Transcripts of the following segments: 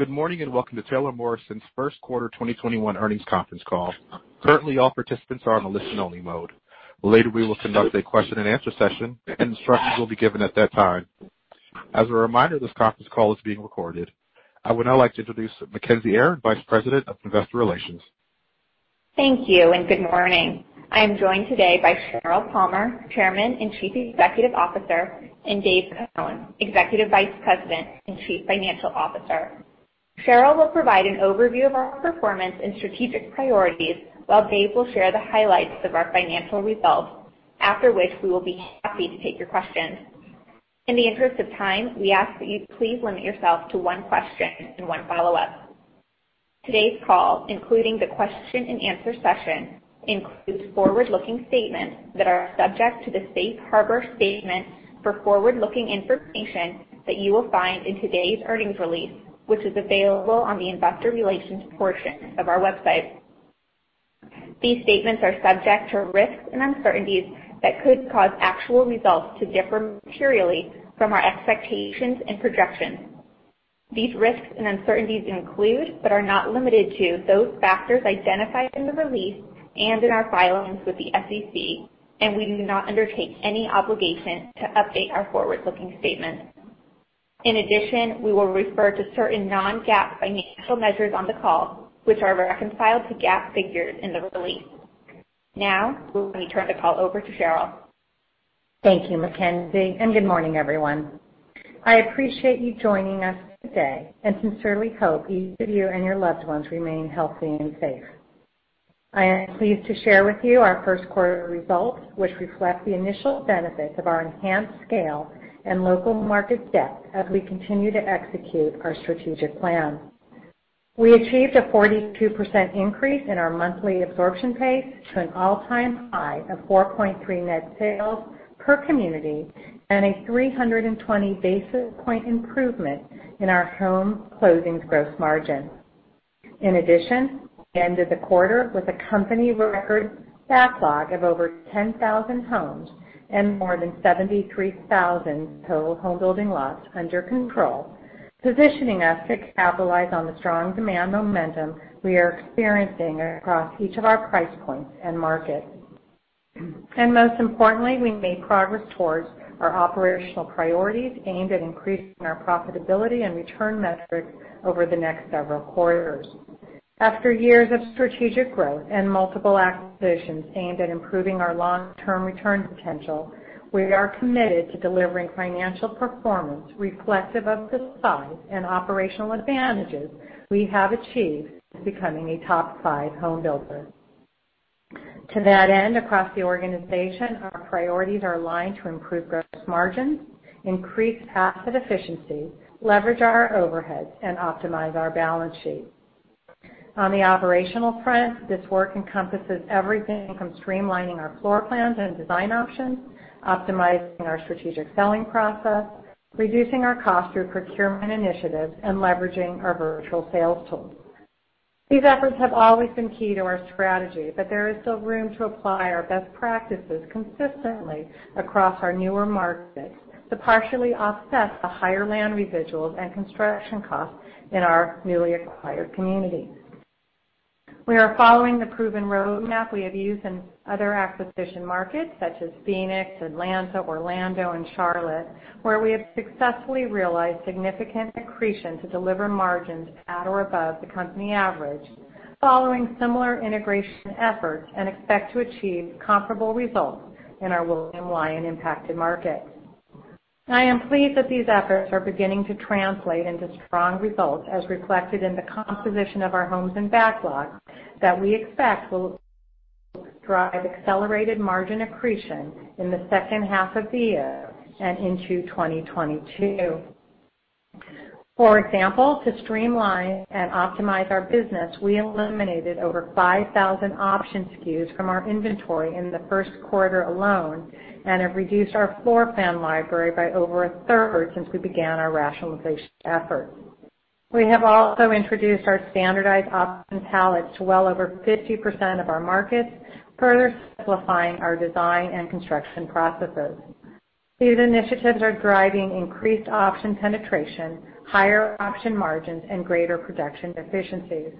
Good morning and Welcome to Taylor Morrison's First Quarter 2021 Earnings Conference Call. Currently, all participants are on a listen-only mode. Later, we will conduct a question-and-answer session, and instructions will be given at that time. As a reminder, this conference call is being recorded. I would now like to introduce Mackenzie Aron, Vice President of Investor Relations. Thank you and good morning. I am joined today by Sheryl Palmer, Chairman and Chief Executive Officer, and Dave Cone, Executive Vice President and Chief Financial Officer. Sheryl will provide an overview of our performance and strategic priorities, while Dave will share the highlights of our financial results, after which we will be happy to take your questions. In the interest of time, we ask that you please limit yourself to one question and one follow-up. Today's call, including the question-and-answer session, includes forward-looking statements that are subject to the Safe Harbor Statement for forward-looking information that you will find in today's earnings release, which is available on the Investor Relations portion of our website. These statements are subject to risks and uncertainties that could cause actual results to differ materially from our expectations and projections. These risks and uncertainties include, but are not limited to, those factors identified in the release and in our filings with the SEC, and we do not undertake any obligation to update our forward-looking statement. In addition, we will refer to certain non-GAAP financial measures on the call, which are reconciled to GAAP figures in the release. Now, we turn the call over to Sheryl. Thank you, Mackenzie, and good morning, everyone. I appreciate you joining us today and sincerely hope each of you and your loved ones remain healthy and safe. I am pleased to share with you our first quarter results, which reflect the initial benefits of our enhanced scale and local market depth as we continue to execute our strategic plan. We achieved a 42% increase in our monthly absorption pace to an all-time high of 4.3 net sales per community and a 320 basis point improvement in our home closings gross margin. In addition, we ended the quarter with a company record backlog of over 10,000 homes and more than 73,000 total home building lots under control, positioning us to capitalize on the strong demand momentum we are experiencing across each of our price points and markets. Most importantly, we made progress towards our operational priorities aimed at increasing our profitability and return metrics over the next several quarters. After years of strategic growth and multiple acquisitions aimed at improving our long-term return potential, we are committed to delivering financial performance reflective of the size and operational advantages we have achieved becoming a top five home builder. To that end, across the organization, our priorities are aligned to improve gross margins, increase asset efficiency, leverage our overheads, and optimize our balance sheet. On the operational front, this work encompasses everything from streamlining our floor plans and design options, optimizing our strategic selling process, reducing our cost through procurement initiatives, and leveraging our virtual sales tools. These efforts have always been key to our strategy, but there is still room to apply our best practices consistently across our newer markets to partially offset the higher land residuals and construction costs in our newly acquired community. We are following the proven roadmap we have used in other acquisition markets such as Phoenix, Atlanta, Orlando, and Charlotte, where we have successfully realized significant accretion to deliver margins at or above the company average, following similar integration efforts, and expect to achieve comparable results in our William Lyon impacted market. I am pleased that these efforts are beginning to translate into strong results as reflected in the composition of our homes and backlog that we expect will drive accelerated margin accretion in the second half of the year and into 2022. For example, to streamline and optimize our business, we eliminated over 5,000 option SKUs from our inventory in the first quarter alone and have reduced our floor plan library by over a third since we began our rationalization efforts. We have also introduced our standardized option palettes to well over 50% of our markets, further simplifying our design and construction processes. These initiatives are driving increased option penetration, higher option margins, and greater production efficiencies.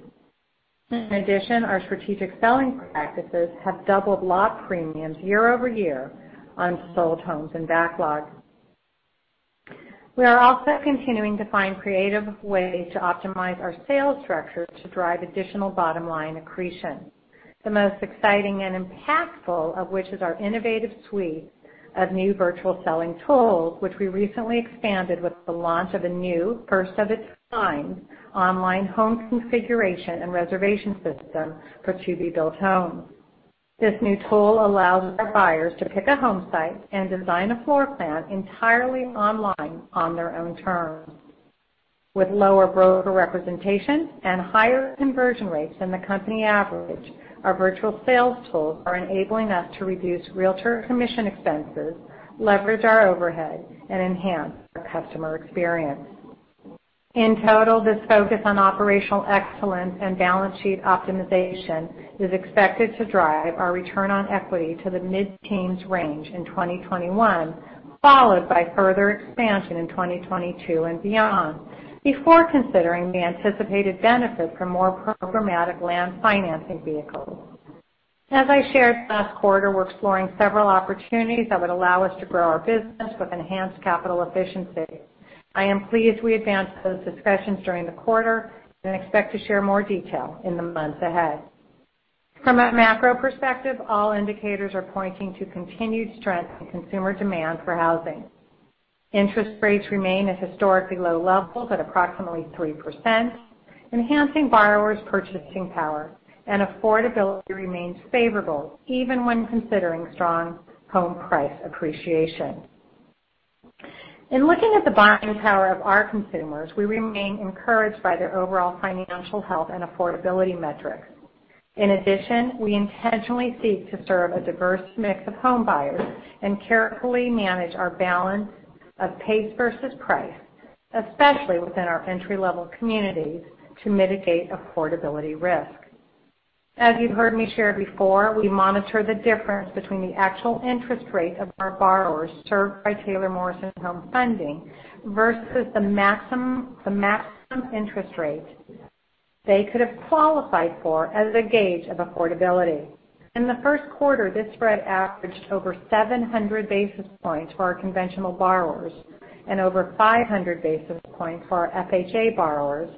In addition, our strategic selling practices have doubled lot premiums year over year on sold homes and backlog. We are also continuing to find creative ways to optimize our sales structure to drive additional bottom line accretion, the most exciting and impactful of which is our innovative suite of new virtual selling tools, which we recently expanded with the launch of a new, first-of-its-kind online home configuration and reservation system for to-be-built homes. This new tool allows our buyers to pick a home site and design a floor plan entirely online on their own terms. With lower broker representation and higher conversion rates than the company average, our virtual sales tools are enabling us to reduce realtor commission expenses, leverage our overhead, and enhance our customer experience. In total, this focus on operational excellence and balance sheet optimization is expected to drive our return on equity to the mid-teens range in 2021, followed by further expansion in 2022 and beyond before considering the anticipated benefit from more programmatic land financing vehicles. As I shared last quarter, we're exploring several opportunities that would allow us to grow our business with enhanced capital efficiency. I am pleased we advanced those discussions during the quarter and expect to share more detail in the months ahead. From a macro perspective, all indicators are pointing to continued strength in consumer demand for housing. Interest rates remain at historically low levels at approximately 3%, enhancing borrowers' purchasing power, and affordability remains favorable even when considering strong home price appreciation. In looking at the buying power of our consumers, we remain encouraged by their overall financial health and affordability metrics. In addition, we intentionally seek to serve a diverse mix of home buyers and carefully manage our balance of pace versus price, especially within our entry-level communities, to mitigate affordability risk. As you've heard me share before, we monitor the difference between the actual interest rate of our borrowers served by Taylor Morrison Home Funding versus the maximum interest rate they could have qualified for as a gauge of affordability. In the first quarter, this spread averaged over 700 basis points for our conventional borrowers and over 500 basis points for our FHA borrowers,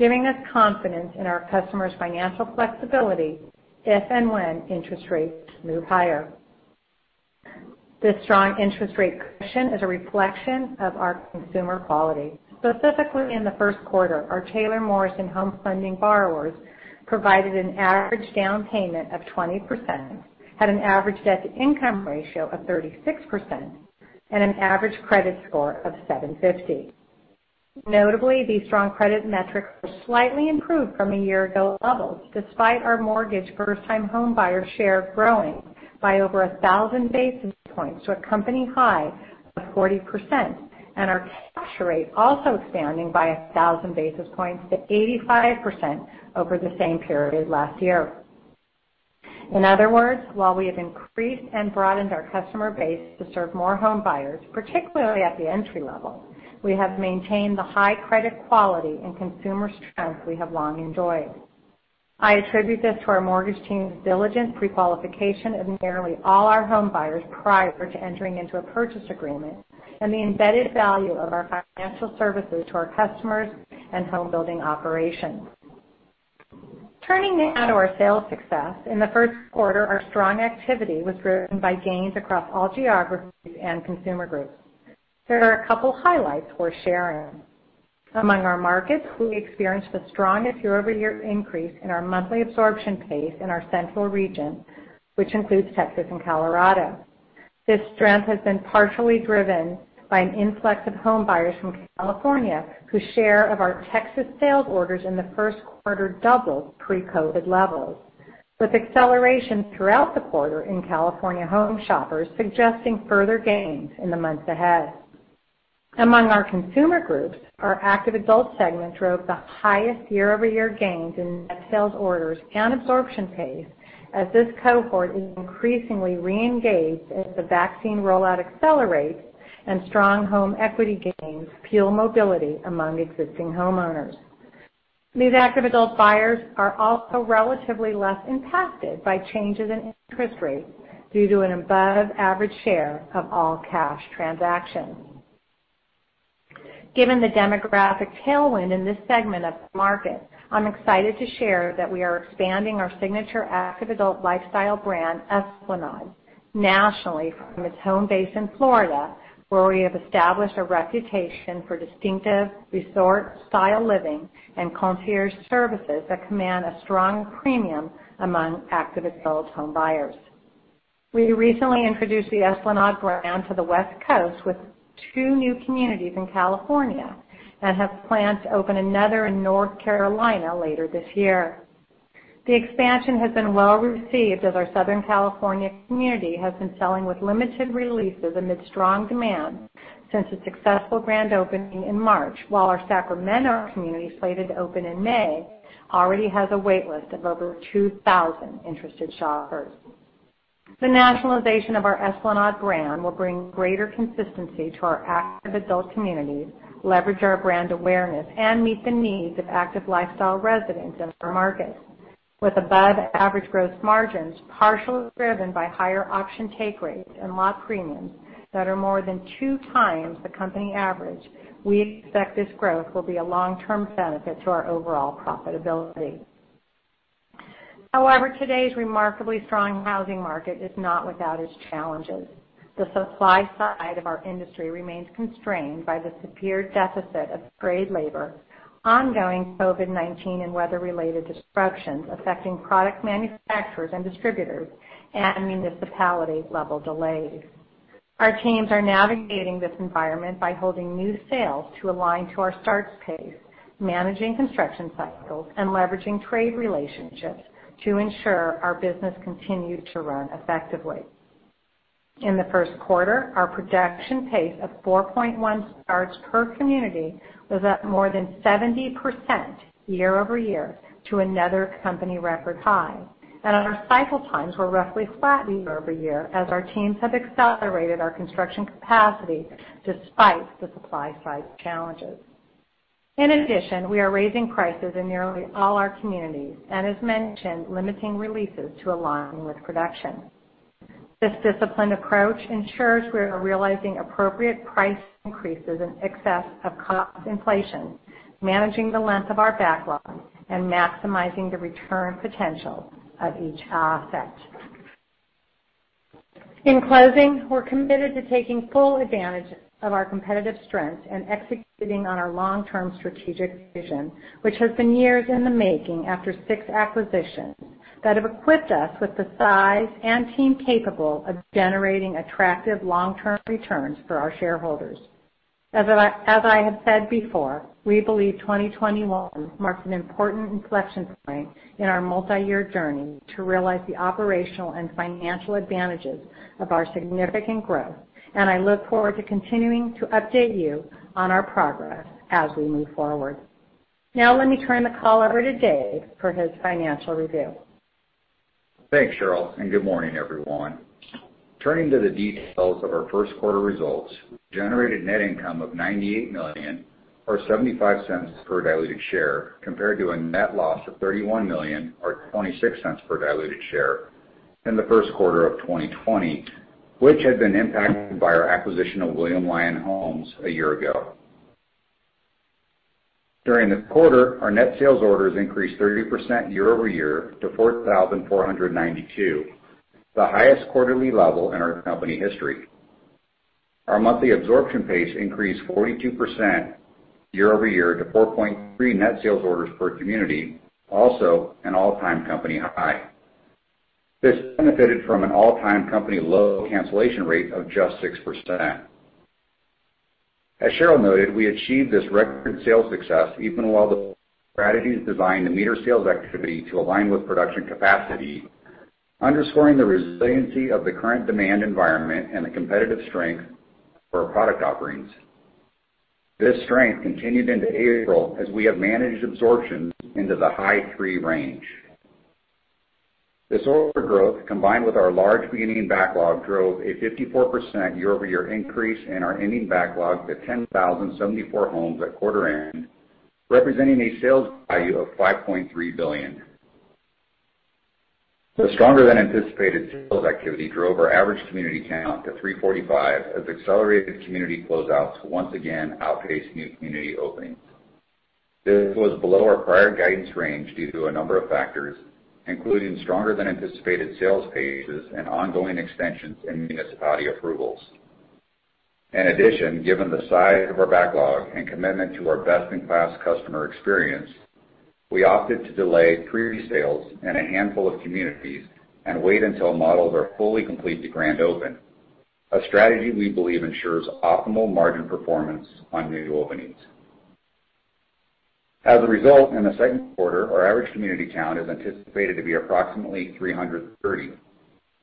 giving us confidence in our customers' financial flexibility if and when interest rates move higher. This strong interest rate correction is a reflection of our consumer quality. Specifically, in the first quarter, our Taylor Morrison Home Funding borrowers provided an average down payment of 20%, had an average debt-to-income ratio of 36%, and an average credit score of 750. Notably, these strong credit metrics are slightly improved from a year-ago levels, despite our mortgage first-time home buyer share growing by over 1,000 basis points to a company high of 40% and our cash rate also expanding by 1,000 basis points to 85% over the same period last year. In other words, while we have increased and broadened our customer base to serve more home buyers, particularly at the entry level, we have maintained the high credit quality and consumer strength we have long enjoyed. I attribute this to our mortgage team's diligent pre-qualification of nearly all our home buyers prior to entering into a purchase agreement and the embedded value of our financial services to our customers and home building operations. Turning now to our sales success, in the first quarter, our strong activity was driven by gains across all geographies and consumer groups. There are a couple of highlights worth sharing. Among our markets, we experienced the strongest year-over-year increase in our monthly absorption pace in our Central region, which includes Texas and Colorado. This strength has been partially driven by an influx of home buyers from California, whose share of our Texas sales orders in the first quarter doubled pre-COVID levels, with acceleration throughout the quarter in California home shoppers suggesting further gains in the months ahead. Among our consumer groups, our active adult segment drove the highest year-over-year gains in net sales orders and absorption pace as this cohort is increasingly re-engaged as the vaccine rollout accelerates and strong home equity gains fuel mobility among existing homeowners. These active adult buyers are also relatively less impacted by changes in interest rates due to an above-average share of all cash transactions. Given the demographic tailwind in this segment of the market, I'm excited to share that we are expanding our signature active adult lifestyle brand, Esplanade, nationally from its home base in Florida, where we have established a reputation for distinctive resort-style living and concierge services that command a strong premium among active adult home buyers. We recently introduced the Esplanade brand to the West Coast with two new communities in California and have planned to open another in North Carolina later this year. The expansion has been well received as our Southern California community has been selling with limited releases amid strong demand since its successful grand opening in March, while our Sacramento community, slated to open in May, already has a waitlist of over 2,000 interested shoppers. The nationalization of our Esplanade brand will bring greater consistency to our active adult communities, leverage our brand awareness, and meet the needs of active lifestyle residents in our markets. With above-average gross margins partially driven by higher option take rates and lot premiums that are more than two times the company average, we expect this growth will be a long-term benefit to our overall profitability. However, today's remarkably strong housing market is not without its challenges. The supply side of our industry remains constrained by the severe deficit of trade labor, ongoing COVID-19 and weather-related disruptions affecting product manufacturers and distributors, and municipality-level delays. Our teams are navigating this environment by holding new sales to align to our starts pace, managing construction cycles, and leveraging trade relationships to ensure our business continues to run effectively. In the first quarter, our production pace of 4.1 starts per community was up more than 70% year-over-year to another company record high, and our cycle times were roughly flat year-over-year as our teams have accelerated our construction capacity despite the supply-side challenges. In addition, we are raising prices in nearly all our communities and, as mentioned, limiting releases to align with production. This disciplined approach ensures we are realizing appropriate price increases in excess of cost inflation, managing the length of our backlog, and maximizing the return potential of each asset. In closing, we're committed to taking full advantage of our competitive strengths and executing on our long-term strategic vision, which has been years in the making after six acquisitions that have equipped us with the size and team capable of generating attractive long-term returns for our shareholders. As I have said before, we believe 2021 marks an important inflection point in our multi-year journey to realize the operational and financial advantages of our significant growth, and I look forward to continuing to update you on our progress as we move forward. Now, let me turn the call over to Dave for his financial review. Thanks, Sheryl, and good morning, everyone. Turning to the details of our first quarter results, we generated net income of $98 million, or $0.75 per diluted share, compared to a net loss of $31 million, or $0.26 per diluted share, in the first quarter of 2020, which had been impacted by our acquisition of William Lyon Homes a year ago. During the quarter, our net sales orders increased 30% year-over-year to 4,492, the highest quarterly level in our company history. Our monthly absorption pace increased 42% year-over-year to 4.3 net sales orders per community, also an all-time company high. This benefited from an all-time company low cancellation rate of just 6%. As Sheryl noted, we achieved this record sales success even while the strategy is designed to meet our sales activity to align with production capacity, underscoring the resiliency of the current demand environment and the competitive strength for our product offerings. This strength continued into April as we have managed absorption into the high 3 range. This order growth, combined with our large beginning backlog, drove a 54% year-over-year increase in our ending backlog to 10,074 homes at quarter end, representing a sales value of $5.3 billion. The stronger-than-anticipated sales activity drove our average community count to 345 as accelerated community closeouts once again outpaced new community openings. This was below our prior guidance range due to a number of factors, including stronger-than-anticipated sales pace and ongoing extensions and municipality approvals. In addition, given the size of our backlog and commitment to our best-in-class customer experience, we opted to delay pre-sales in a handful of communities and wait until models are fully complete to grand open, a strategy we believe ensures optimal margin performance on new openings. As a result, in the second quarter, our average community count is anticipated to be approximately 330,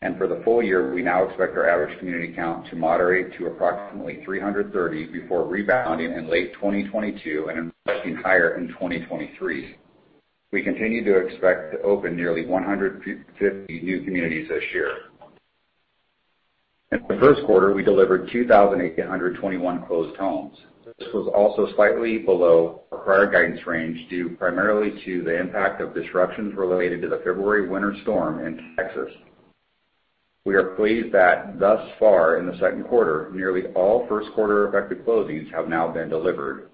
and for the full year, we now expect our average community count to moderate to approximately 330 before rebounding in late 2022 and improving higher in 2023. We continue to expect to open nearly 150 new communities this year. In the first quarter, we delivered 2,821 closed homes. This was also slightly below our prior guidance range due primarily to the impact of disruptions related to the February winter storm in Texas. We are pleased that thus far in the second quarter, nearly all first-quarter effective closings have now been delivered.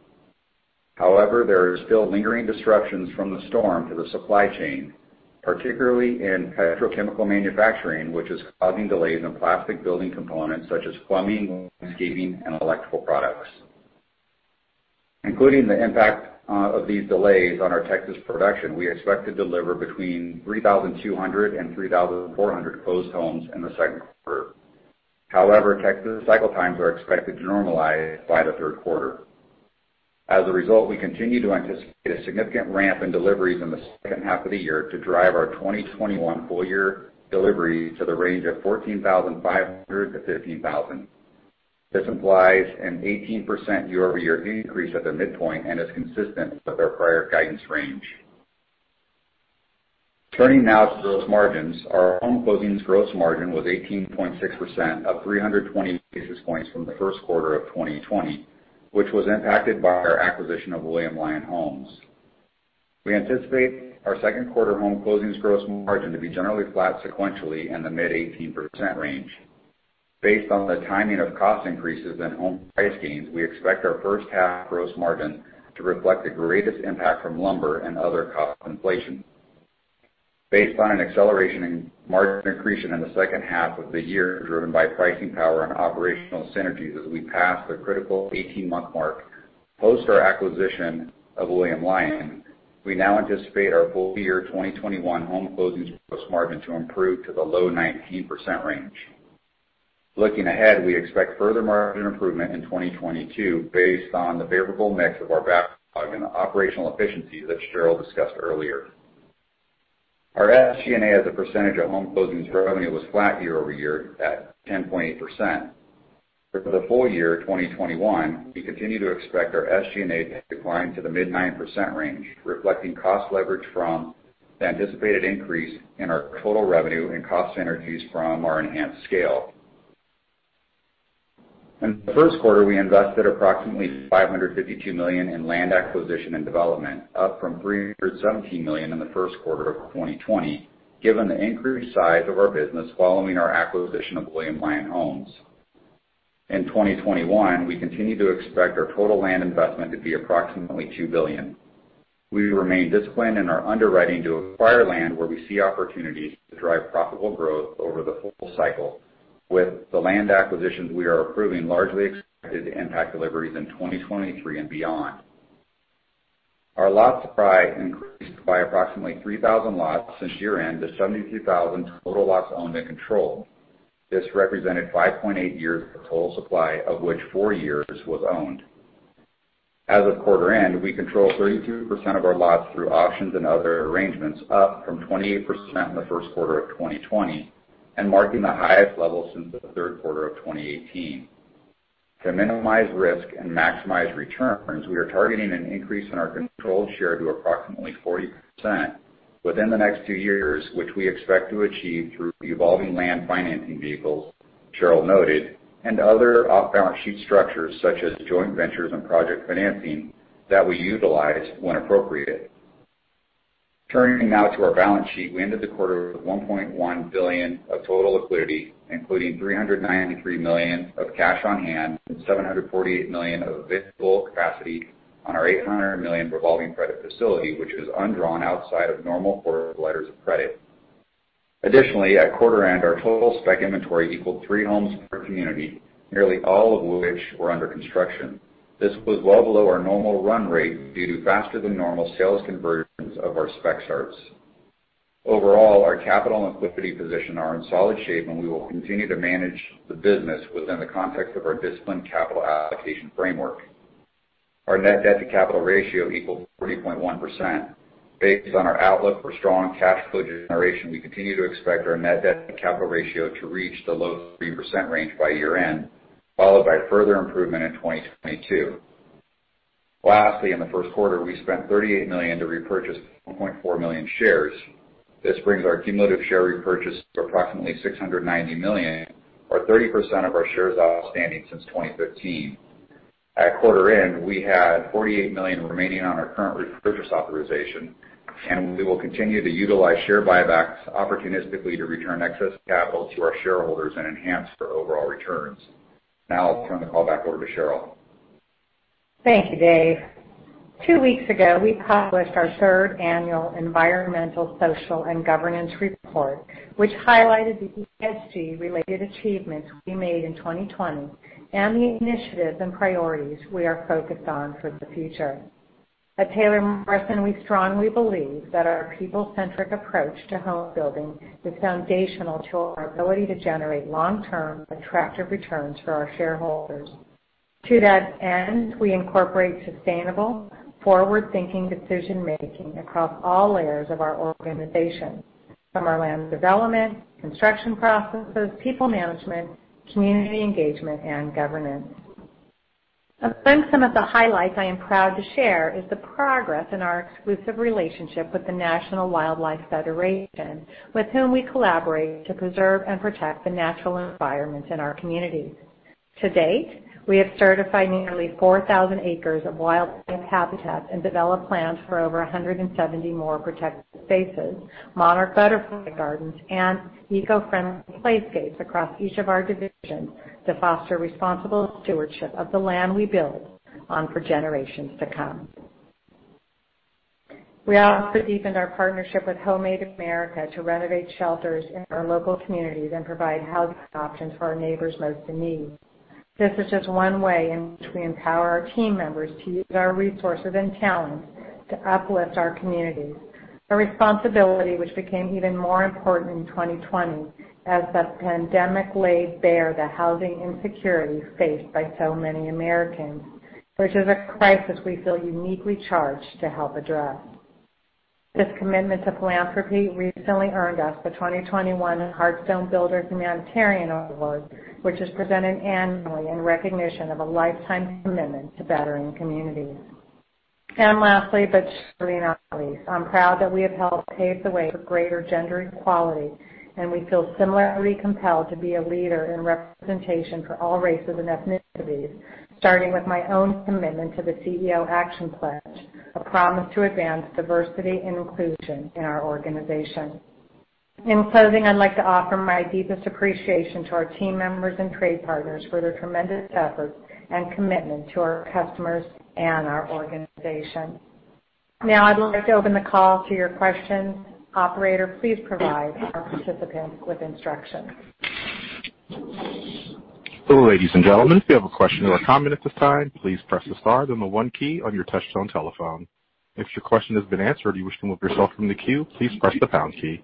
However, there are still lingering disruptions from the storm to the supply chain, particularly in petrochemical manufacturing, which is causing delays in plastic building components such as plumbing, landscaping, and electrical products. Including the impact of these delays on our Texas production, we expect to deliver between 3,200 and 3,400 closed homes in the second quarter. However, Texas cycle times are expected to normalize by the third quarter. As a result, we continue to anticipate a significant ramp in deliveries in the second half of the year to drive our 2021 full-year deliveries to the range of 14,500 to 15,000. This implies an 18% year-over-year increase at the midpoint and is consistent with our prior guidance range. Turning now to gross margins, our home closings gross margin was 18.6%, up 320 basis points from the first quarter of 2020, which was impacted by our acquisition of William Lyon Homes. We anticipate our second quarter home closings gross margin to be generally flat sequentially in the mid-18% range. Based on the timing of cost increases and home price gains, we expect our first half gross margin to reflect the greatest impact from lumber and other cost inflation. Based on an acceleration in margin increase in the second half of the year driven by pricing power and operational synergies as we pass the critical 18-month mark post our acquisition of William Lyon, we now anticipate our full-year 2021 home closings gross margin to improve to the low 19% range. Looking ahead, we expect further margin improvement in 2022 based on the favorable mix of our backlog and the operational efficiencies that Sheryl discussed earlier. Our SG&A as a percentage of home closings revenue was flat year-over-year at 10.8%. For the full year 2021, we continue to expect our SG&A to decline to the mid-9% range, reflecting cost leverage from the anticipated increase in our total revenue and cost synergies from our enhanced scale. In the first quarter, we invested approximately $552 million in land acquisition and development, up from $317 million in the first quarter of 2020, given the increased size of our business following our acquisition of William Lyon Homes. In 2021, we continue to expect our total land investment to be approximately $2 billion. We remain disciplined in our underwriting to acquire land where we see opportunities to drive profitable growth over the full cycle, with the land acquisitions we are approving largely expected to impact deliveries in 2023 and beyond. Our lot supply increased by approximately 3,000 lots since year-end to 72,000 total lots owned and controlled. This represented 5.8 years of total supply, of which four years was owned. As of quarter end, we controlled 32% of our lots through auctions and other arrangements, up from 28% in the first quarter of 2020 and marking the highest level since the third quarter of 2018. To minimize risk and maximize returns, we are targeting an increase in our controlled share to approximately 40% within the next two years, which we expect to achieve through evolving land financing vehicles, Sheryl noted, and other off-balance sheet structures such as joint ventures and project financing that we utilize when appropriate. Turning now to our balance sheet, we ended the quarter with $1.1 billion of total liquidity, including $393 million of cash on hand and $748 million of available capacity on our $800 million revolving credit facility, which is undrawn outside of normal quarter letters of credit. Additionally, at quarter end, our total spec inventory equaled three homes per community, nearly all of which were under construction. This was well below our normal run rate due to faster-than-normal sales conversions of our spec starts. Overall, our capital and liquidity position are in solid shape, and we will continue to manage the business within the context of our disciplined capital allocation framework. Our net debt-to-capital ratio equaled 40.1%. Based on our outlook for strong cash flow generation, we continue to expect our net debt-to-capital ratio to reach the low 3% range by year-end, followed by further improvement in 2022. Lastly, in the first quarter, we spent $38 million to repurchase 1.4 million shares. This brings our cumulative share repurchase to approximately $690 million, or 30% of our shares outstanding since 2015. At quarter end, we had $48 million remaining on our current repurchase authorization, and we will continue to utilize share buybacks opportunistically to return excess capital to our shareholders and enhance our overall returns. Now, I'll turn the call back over to Sheryl. Thank you, Dave. Two weeks ago, we published our third annual environmental, social, and governance report, which highlighted the ESG-related achievements we made in 2020 and the initiatives and priorities we are focused on for the future. At Taylor Morrison, we strongly believe that our people-centric approach to home building is foundational to our ability to generate long-term attractive returns for our shareholders. To that end, we incorporate sustainable, forward-thinking decision-making across all layers of our organization, from our land development, construction processes, people management, community engagement, and governance. Among some of the highlights I am proud to share is the progress in our exclusive relationship with the National Wildlife Federation, with whom we collaborate to preserve and protect the natural environment in our communities. To date, we have certified nearly 4,000 acres of wildlife habitats and developed plans for over 170 more protected spaces, monarch butterfly gardens, and eco-friendly playscapes across each of our divisions to foster responsible stewardship of the land we build on for generations to come. We also deepened our partnership with HomeAid America to renovate shelters in our local communities and provide housing options for our neighbors most in need. This is just one way in which we empower our team members to use our resources and talents to uplift our communities, a responsibility which became even more important in 2020 as the pandemic laid bare the housing insecurity faced by so many Americans, which is a crisis we feel uniquely charged to help address. This commitment to philanthropy recently earned us the 2021 Hearthstone Builder Humanitarian Award, which is presented annually in recognition of a lifetime commitment to bettering communities. And lastly, but certainly not least, I'm proud that we have helped pave the way for greater gender equality, and we feel similarly compelled to be a leader in representation for all races and ethnicities, starting with my own commitment to the CEO Action Pledge, a promise to advance diversity and inclusion in our organization. In closing, I'd like to offer my deepest appreciation to our team members and trade partners for their tremendous efforts and commitment to our customers and our organization. Now, I'd like to open the call to your questions. Operator, please provide our participants with instructions. Ladies and gentlemen, if you have a question or a comment at this time, please press the star then the one key on your touch-tone telephone. If your question has been answered or you wish to move yourself from the queue, please press the pound key.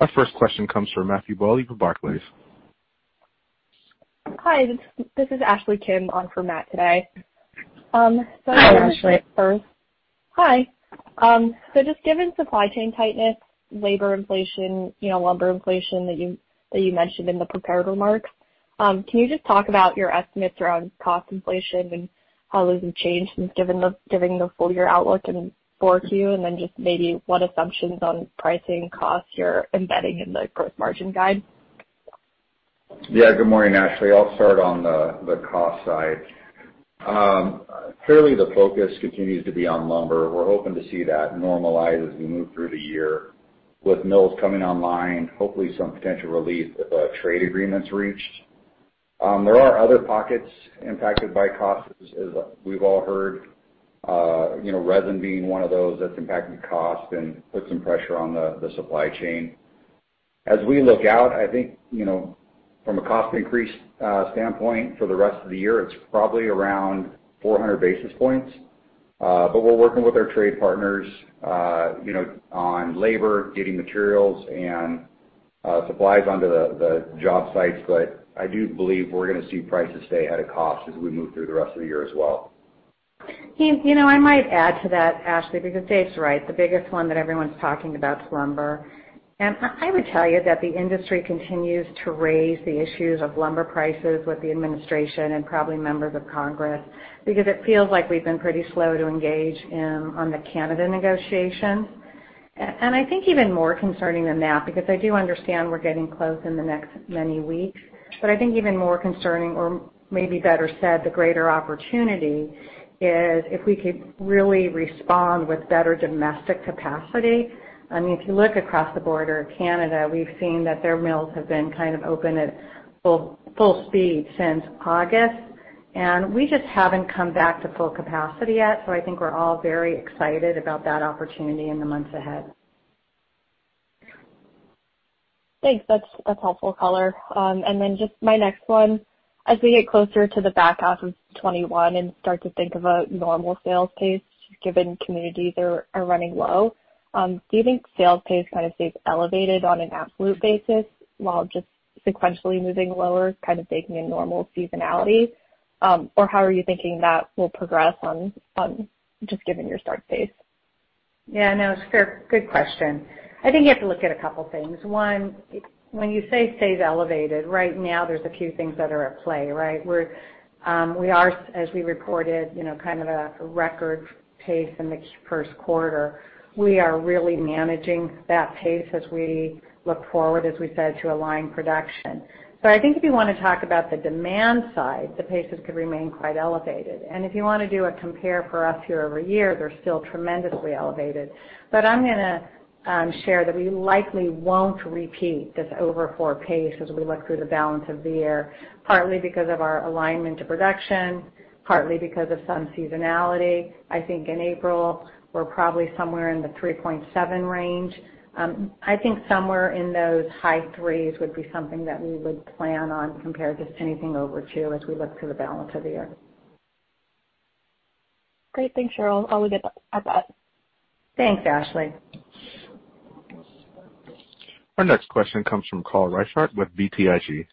Our first question comes from Matthew Bouley from Barclays. Hi, this is Ashley Kim on for Matt today. Hi, Ashley. Hi. So just given supply chain tightness, labor inflation, lumber inflation that you mentioned in the prepared remarks, can you just talk about your estimates around cost inflation and how those have changed since giving the full-year outlook and 4Q, and then just maybe what assumptions on pricing costs you're embedding in the gross margin guide? Yeah, good morning, Ashley. I'll start on the cost side. Clearly, the focus continues to be on lumber. We're hoping to see that normalize as we move through the year with mills coming online, hopefully some potential relief if trade agreements reached. There are other pockets impacted by costs, as we've all heard, resin being one of those that's impacting cost and puts some pressure on the supply chain. As we look out, I think from a cost increase standpoint for the rest of the year, it's probably around 400 basis points, but we're working with our trade partners on labor, getting materials and supplies onto the job sites, but I do believe we're going to see prices stay ahead of cost as we move through the rest of the year as well. If, I might add to that, Ashley, because Dave's right, the biggest one that everyone's talking about is lumber. And I would tell you that the industry continues to raise the issues of lumber prices with the administration and probably members of Congress because it feels like we've been pretty slow to engage on the Canada negotiation. And I think even more concerning than that, because I do understand we're getting close in the next many weeks, but I think even more concerning, or maybe better said, the greater opportunity is if we could really respond with better domestic capacity. I mean, if you look across the border of Canada, we've seen that their mills have been kind of open at full speed since August, and we just haven't come back to full capacity yet, so I think we're all very excited about that opportunity in the months ahead. Thanks. That's helpful, Color. And then just my next one, as we get closer to the back half of 2021 and start to think of a normal sales pace given communities are running low, do you think sales pace kind of stays elevated on an absolute basis while just sequentially moving lower, kind of baking in normal seasonality? Or how are you thinking that will progress just given your start date? Yeah, no, it's a good question. I think you have to look at a couple of things. One, when you say stays elevated, right now there's a few things that are at play, right? We are, as we reported, kind of at a record pace in the first quarter. We are really managing that pace as we look forward, as we said, to align production. So I think if you want to talk about the demand side, the paces could remain quite elevated. And if you want to do a compare for us year over year, they're still tremendously elevated. But I'm going to share that we likely won't repeat this over-four pace as we look through the balance of the year, partly because of our alignment to production, partly because of some seasonality. I think in April, we're probably somewhere in the 3.7 range. I think somewhere in those high threes would be something that we would plan on compared to anything over two as we look through the balance of the year. Great. Thanks, Sheryl. I'll leave it at that. Thanks, Ashley. Our next question comes from Carl Reichardt with BTIG.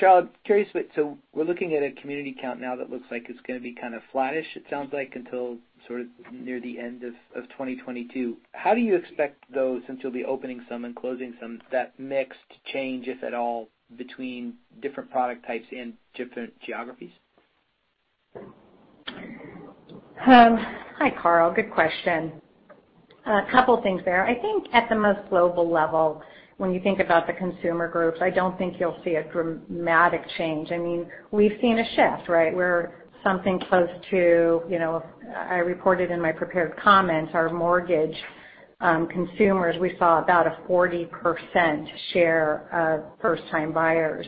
Sheryl, curious, so we're looking at a community count now that looks like it's going to be kind of flattish, it sounds like, until sort of near the end of 2022. How do you expect though, since you'll be opening some and closing some, that mix to change, if at all, between different product types and different geographies? Hi, Carl. Good question. A couple of things there. I think at the most global level, when you think about the consumer groups, I don't think you'll see a dramatic change. I mean, we've seen a shift, right? We're something close to, I reported in my prepared comments, our mortgage consumers, we saw about a 40% share of first-time buyers.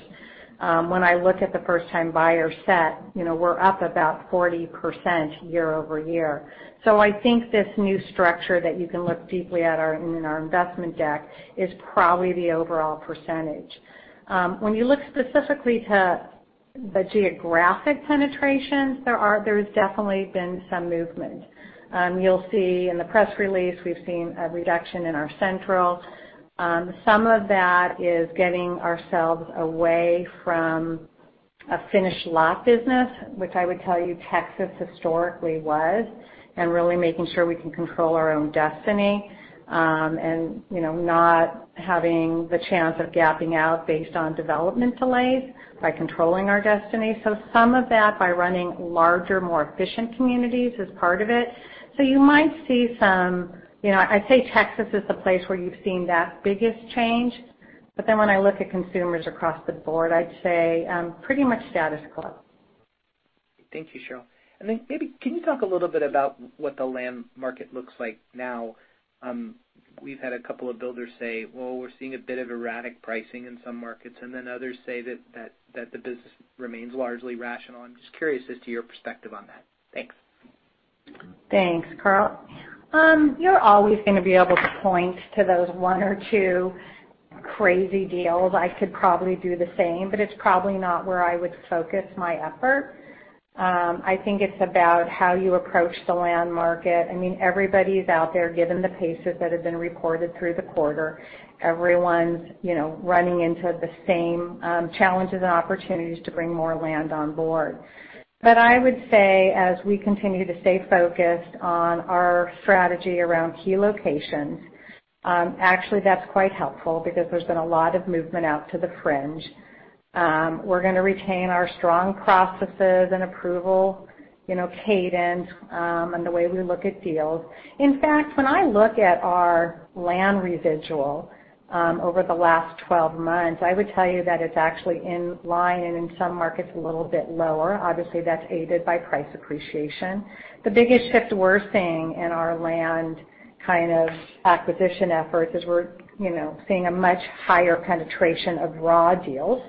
When I look at the first-time buyer set, we're up about 40% year over year. So I think this new structure that you can look deeply at in our investment deck is probably the overall percentage. When you look specifically to the geographic penetrations, there has definitely been some movement. You'll see in the press release, we've seen a reduction in our Central. Some of that is getting ourselves away from a finished lot business, which I would tell you Texas historically was, and really making sure we can control our own destiny and not having the chance of gapping out based on development delays by controlling our destiny. So some of that by running larger, more efficient communities is part of it. So you might see some. I'd say Texas is the place where you've seen that biggest change. But then when I look at consumers across the board, I'd say pretty much status quo. Thank you, Sheryl. And then maybe can you talk a little bit about what the land market looks like now? We've had a couple of builders say, "Well, we're seeing a bit of erratic pricing in some markets," and then others say that the business remains largely rational. I'm just curious as to your perspective on that. Thanks. Thanks, Carl. You're always going to be able to point to those one or two crazy deals. I could probably do the same, but it's probably not where I would focus my effort. I think it's about how you approach the land market. I mean, everybody's out there, given the paces that have been reported through the quarter, everyone's running into the same challenges and opportunities to bring more land on board. But I would say as we continue to stay focused on our strategy around key locations, actually, that's quite helpful because there's been a lot of movement out to the fringe. We're going to retain our strong processes and approval cadence and the way we look at deals. In fact, when I look at our land residual over the last 12 months, I would tell you that it's actually in line and in some markets a little bit lower. Obviously, that's aided by price appreciation. The biggest shift we're seeing in our land kind of acquisition efforts is we're seeing a much higher penetration of raw deals.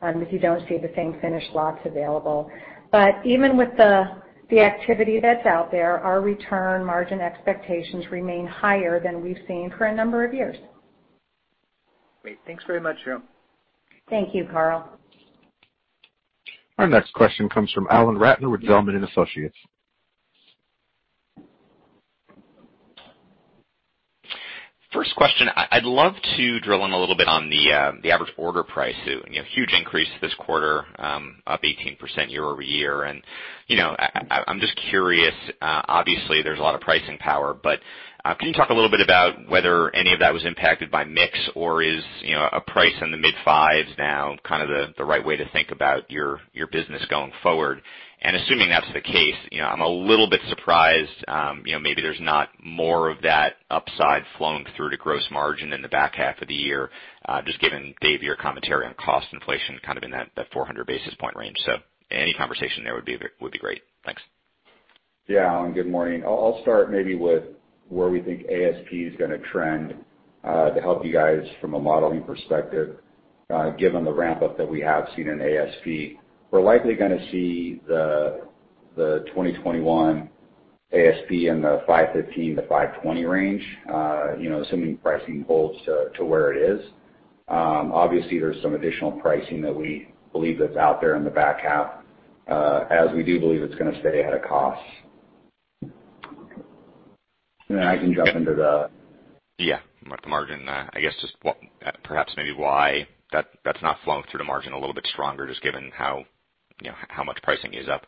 If you don't see the same finished lots available. But even with the activity that's out there, our return margin expectations remain higher than we've seen for a number of years. Great. Thanks very much, Sheryl. Thank you, Carl. Our next question comes from Alan Ratner with Zelman & Associates. First question, I'd love to drill in a little bit on the average sales price. Huge increase this quarter, up 18% year over year. And I'm just curious, obviously, there's a lot of pricing power, but can you talk a little bit about whether any of that was impacted by mix or is a price in the mid-fives now kind of the right way to think about your business going forward? And assuming that's the case, I'm a little bit surprised maybe there's not more of that upside flowing through to gross margin in the back half of the year, just given Dave, your commentary on cost inflation kind of in that 400 basis points range. So any conversation there would be great. Thanks. Yeah, Alan, good morning. I'll start maybe with where we think ASP is going to trend to help you guys from a modeling perspective. Given the ramp-up that we have seen in ASP, we're likely going to see the 2021 ASP in the $515,000-$520,000 range, assuming pricing holds to where it is. Obviously, there's some additional pricing that we believe that's out there in the back half as we do believe it's going to stay ahead of cost. And then I can jump into the. Yeah, market margin, I guess just perhaps maybe why that's not flowing through to margin a little bit stronger, just given how much pricing is up?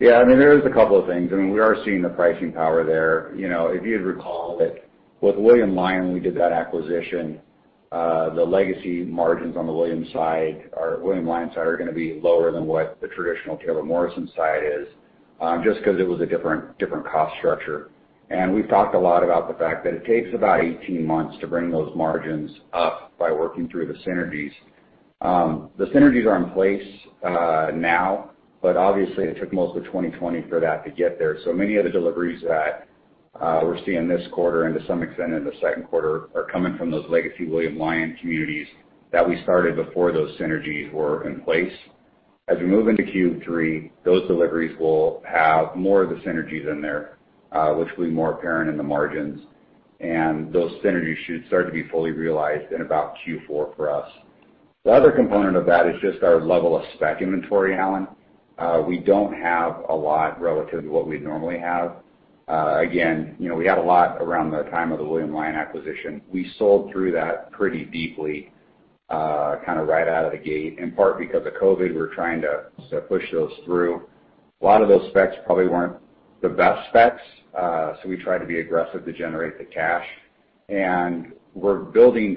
Yeah, I mean, there is a couple of things. I mean, we are seeing the pricing power there. If you recall that with William Lyon, we did that acquisition, the legacy margins on the William side or William Lyon side are going to be lower than what the traditional Taylor Morrison side is, just because it was a different cost structure, and we've talked a lot about the fact that it takes about 18 months to bring those margins up by working through the synergies. The synergies are in place now, but obviously, it took most of 2020 for that to get there, so many of the deliveries that we're seeing this quarter and to some extent in the second quarter are coming from those legacy William Lyon communities that we started before those synergies were in place. As we move into Q3, those deliveries will have more of the synergies in there, which will be more apparent in the margins, and those synergies should start to be fully realized in about Q4 for us. The other component of that is just our level of spec inventory, Alan. We don't have a lot relative to what we normally have. Again, we had a lot around the time of the William Lyon Homes acquisition. We sold through that pretty deeply, kind of right out of the gate, in part because of COVID, we're trying to push those through. A lot of those specs probably weren't the best specs, so we tried to be aggressive to generate the cash, and we're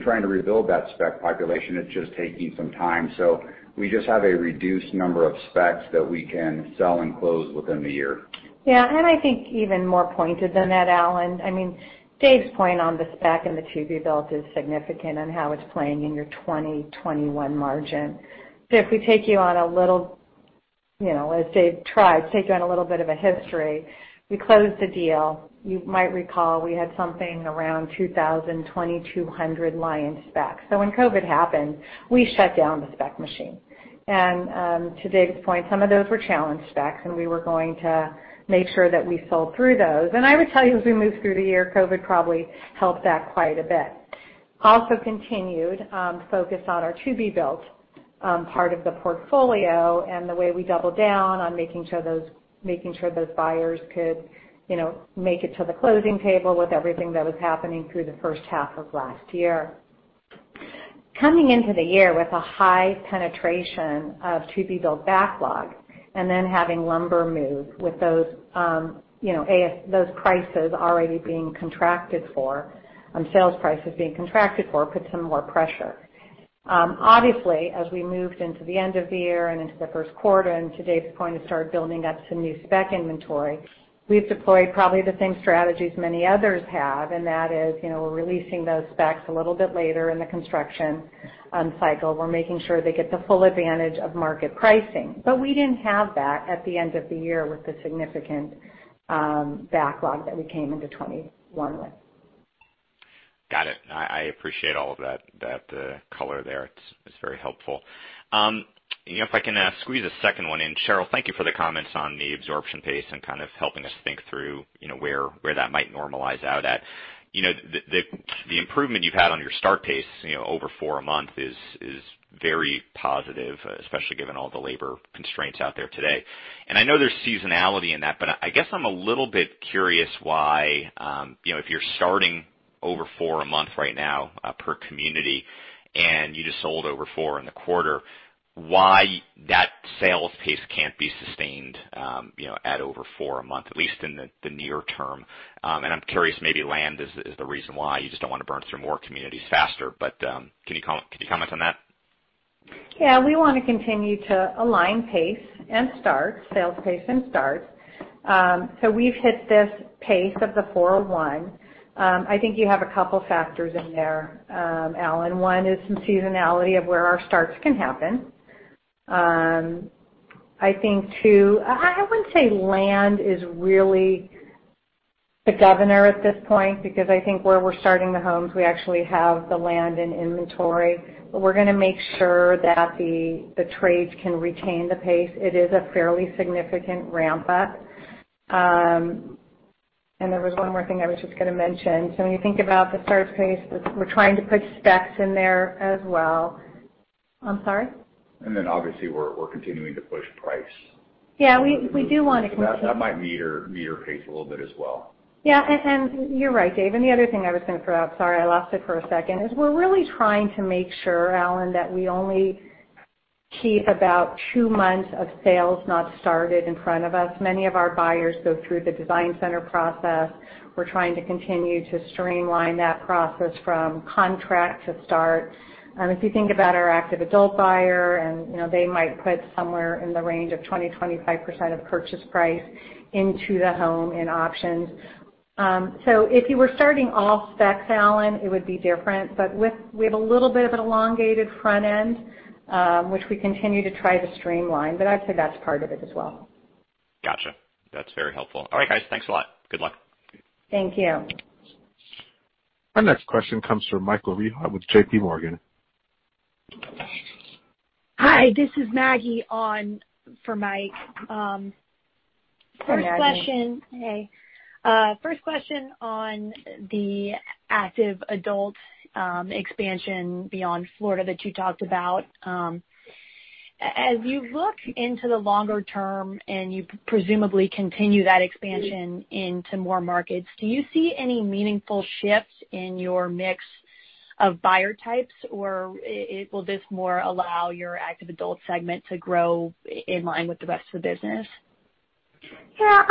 trying to rebuild that spec population. It's just taking some time, so we just have a reduced number of specs that we can sell and close within the year. Yeah. And I think even more pointed than that, Alan. I mean, Dave's point on the spec and the to-be-built is significant and how it's playing in your 2021 margin. So if we take you on a little, as Dave tried to take you on a little bit of a history, we closed the deal. You might recall we had something around 2,000, 2,200 Lyon specs. So when COVID happened, we shut down the spec machine. And to Dave's point, some of those were challenged specs, and we were going to make sure that we sold through those. And I would tell you, as we moved through the year, COVID probably helped that quite a bit. Also continued focus on our to-be-built part of the portfolio and the way we doubled down on making sure those buyers could make it to the closing table with everything that was happening through the first half of last year. Coming into the year with a high penetration of to-be-built backlog and then having lumber move with those prices already being contracted for, sales prices being contracted for, puts some more pressure. Obviously, as we moved into the end of the year and into the first quarter, and to Dave's point, it started building up some new spec inventory, we've deployed probably the same strategies many others have, and that is we're releasing those specs a little bit later in the construction cycle. We're making sure they get the full advantage of market pricing. But we didn't have that at the end of the year with the significant backlog that we came into 2021 with. Got it. I appreciate all of that color there. It's very helpful. If I can squeeze a second one in, Sheryl, thank you for the comments on the absorption pace and kind of helping us think through where that might normalize out at. The improvement you've had on your start pace over four a month is very positive, especially given all the labor constraints out there today, and I know there's seasonality in that, but I guess I'm a little bit curious why if you're starting over four a month right now per community and you just sold over four in the quarter, why that sales pace can't be sustained at over four a month, at least in the near term, and I'm curious, maybe land is the reason why you just don't want to burn through more communities faster, but can you comment on that? Yeah. We want to continue to align pace and start, sales pace and start. So we've hit this pace of the 4.1. I think you have a couple of factors in there, Alan. One is some seasonality of where our starts can happen. I think two, I wouldn't say land is really the governor at this point because I think where we're starting the homes, we actually have the land and inventory. But we're going to make sure that the trades can retain the pace. It is a fairly significant ramp-up. And there was one more thing I was just going to mention. So when you think about the start pace, we're trying to put specs in there as well. I'm sorry? Obviously, we're continuing to push price. Yeah. We do want to continue. That might moderate the pace a little bit as well. Yeah. And you're right, Dave. And the other thing I was going to throw out, sorry, I lost it for a second, is we're really trying to make sure, Alan, that we only keep about two months of sales not started in front of us. Many of our buyers go through the design center process. We're trying to continue to streamline that process from contract to start. If you think about our active adult buyer, and they might put somewhere in the range of 20%-25% of purchase price into the home in options. So if you were starting off specs, Alan, it would be different. But we have a little bit of an elongated front end, which we continue to try to streamline. But I'd say that's part of it as well. Gotcha. That's very helpful. All right, guys. Thanks a lot. Good luck. Thank you. Our next question comes from Michael Rehaut with J.P. Morgan. Hi. This is Maggie for Mike. First question. Hey. First question on the active adult expansion beyond Florida that you talked about. As you look into the longer term and you presumably continue that expansion into more markets, do you see any meaningful shift in your mix of buyer types, or will this more allow your active adult segment to grow in line with the rest of the business? Yeah.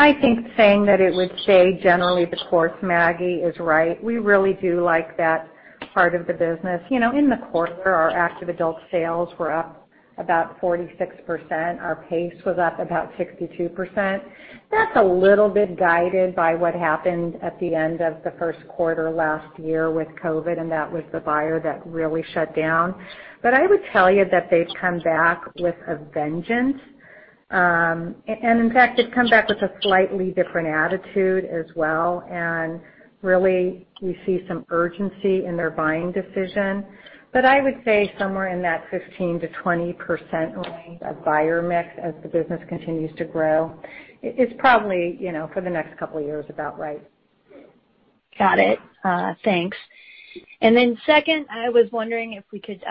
I think saying that it would stay generally the course, Maggie, is right. We really do like that part of the business. In the quarter, our active adult sales were up about 46%. Our pace was up about 62%. That's a little bit guided by what happened at the end of the first quarter last year with COVID, and that was the buyer that really shut down. But I would tell you that they've come back with a vengeance. In fact, they've come back with a slightly different attitude as well. Really, we see some urgency in their buying decision. I would say somewhere in that 15%-20% range of buyer mix as the business continues to grow is probably for the next couple of years about right. Got it. Thanks. And then second, I was wondering if we could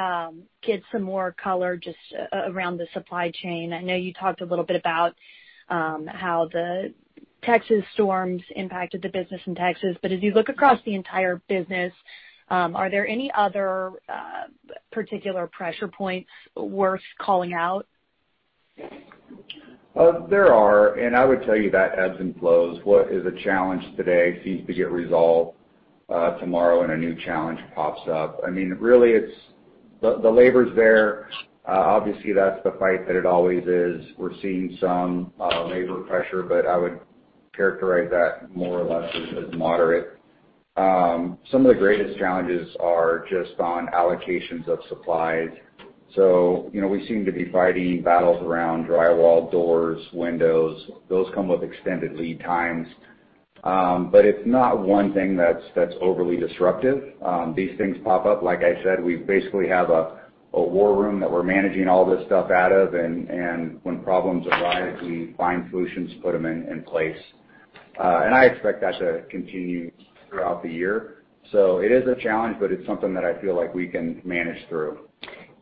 get some more color just around the supply chain. I know you talked a little bit about how the Texas storms impacted the business in Texas. But as you look across the entire business, are there any other particular pressure points worth calling out? There are. And I would tell you that ebbs and flows. What is a challenge today seems to get resolved tomorrow, and a new challenge pops up. I mean, really, the labor's there. Obviously, that's the fight that it always is. We're seeing some labor pressure, but I would characterize that more or less as moderate. Some of the greatest challenges are just on allocations of supplies. So we seem to be fighting battles around drywall doors, windows. Those come with extended lead times. But it's not one thing that's overly disruptive. These things pop up. Like I said, we basically have a war room that we're managing all this stuff out of. And when problems arise, we find solutions, put them in place. And I expect that to continue throughout the year. So it is a challenge, but it's something that I feel like we can manage through.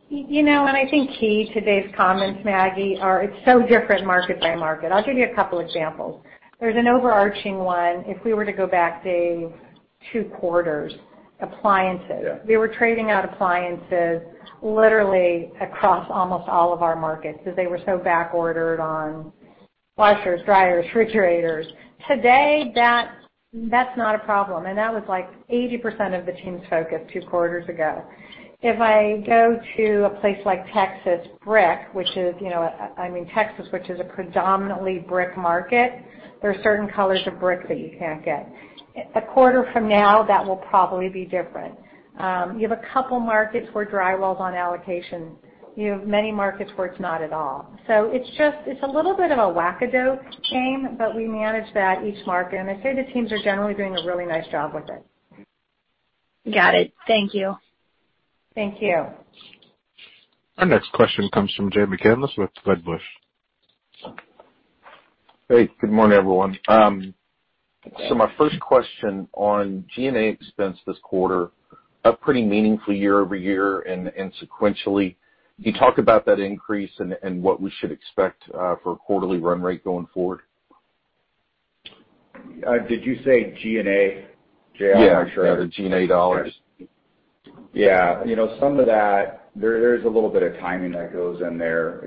I think key to Dave's comments, Maggie, are it's so different market by market. I'll give you a couple of examples. There's an overarching one. If we were to go back, Dave, two quarters, appliances. We were trading out appliances literally across almost all of our markets because they were so backordered on washers, dryers, refrigerators. Today, that's not a problem. That was like 80% of the team's focus two quarters ago. If I go to a place like Texas, brick, which is, I mean, Texas, which is a predominantly brick market, there are certain colors of brick that you can't get. A quarter from now, that will probably be different. You have a couple of markets where drywall's on allocation. You have many markets where it's not at all. It's a little bit of a whack-a-mole game, but we manage that each market. I'd say the teams are generally doing a really nice job with it. Got it. Thank you. Thank you. Our next question comes from Jay McCanless with Wedbush. Hey. Good morning, everyone. So my first question on G&A expense this quarter, a pretty meaningful year over year and sequentially. Can you talk about that increase and what we should expect for a quarterly run rate going forward? Did you say G&A? Yeah. The G&A dollars. Yeah. Some of that, there is a little bit of timing that goes in there.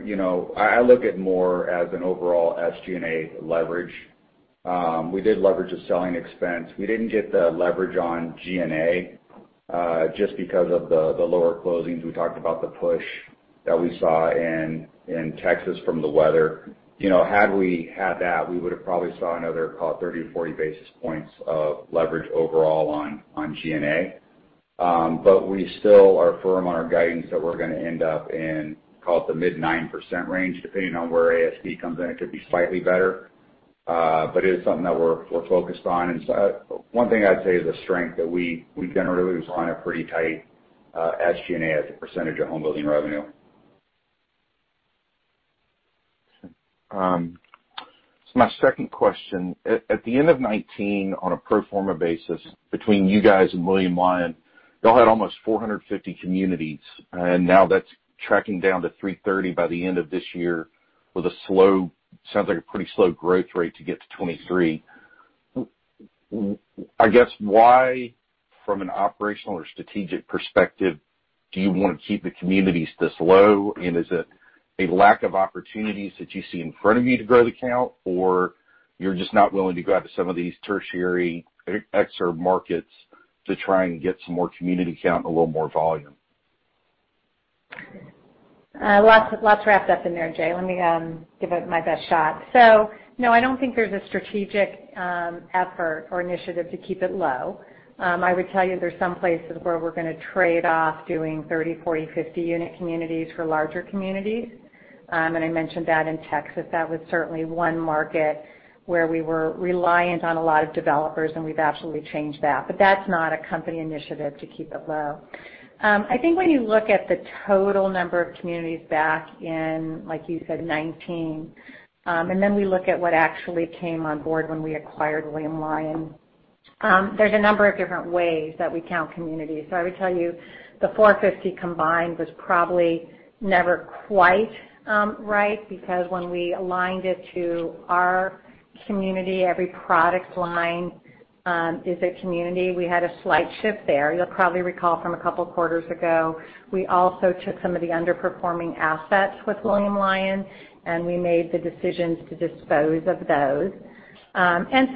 I look at more as an overall SG&A leverage. We did leverage a selling expense. We didn't get the leverage on G&A just because of the lower closings. We talked about the push that we saw in Texas from the weather. Had we had that, we would have probably saw another 30 or 40 basis points of leverage overall on G&A. But we still are firm on our guidance that we're going to end up in, call it the mid-9% range, depending on where ASP comes in. It could be slightly better. But it is something that we're focused on. And one thing I'd say is the strength that we generally was on a pretty tight SG&A as a percentage of home building revenue. My second question. At the end of 2019, on a pro forma basis, between you guys and William Lyon, y'all had almost 450 communities. And now that's tracking down to 330 by the end of this year with a slow, sounds like a pretty slow growth rate to get to 2023. I guess why, from an operational or strategic perspective, do you want to keep the communities this low? And is it a lack of opportunities that you see in front of you to grow the count, or you're just not willing to go out to some of these tertiary exurban markets to try and get some more community count and a little more volume? Lots wrapped up in there, Jay. Let me give it my best shot. So no, I don't think there's a strategic effort or initiative to keep it low. I would tell you there's some places where we're going to trade off doing 30, 40, 50 unit communities for larger communities. And I mentioned that in Texas. That was certainly one market where we were reliant on a lot of developers, and we've absolutely changed that. But that's not a company initiative to keep it low. I think when you look at the total number of communities back in, like you said, 2019, and then we look at what actually came on board when we acquired William Lyon, there's a number of different ways that we count communities. I would tell you the 450 combined was probably never quite right because when we aligned it to our community, every product line is a community. We had a slight shift there. You'll probably recall from a couple of quarters ago, we also took some of the underperforming assets with William Lyon, and we made the decisions to dispose of those.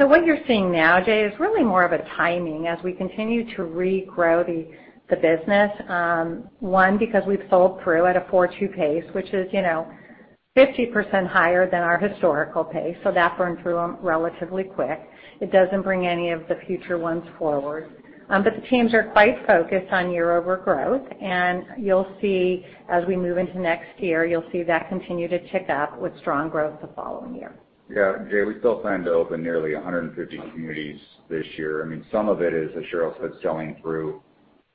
What you're seeing now, Jay, is really more of a timing as we continue to regrow the business. One, because we've sold through at a 4. 2 pace, which is 50% higher than our historical pace. That burned through relatively quick. It doesn't bring any of the future ones forward. The teams are quite focused on year-over-year growth. You'll see as we move into next year, you'll see that continue to tick up with strong growth the following year. Yeah. Jay, we still plan to open nearly 150 communities this year. I mean, some of it is, as Sheryl said, selling through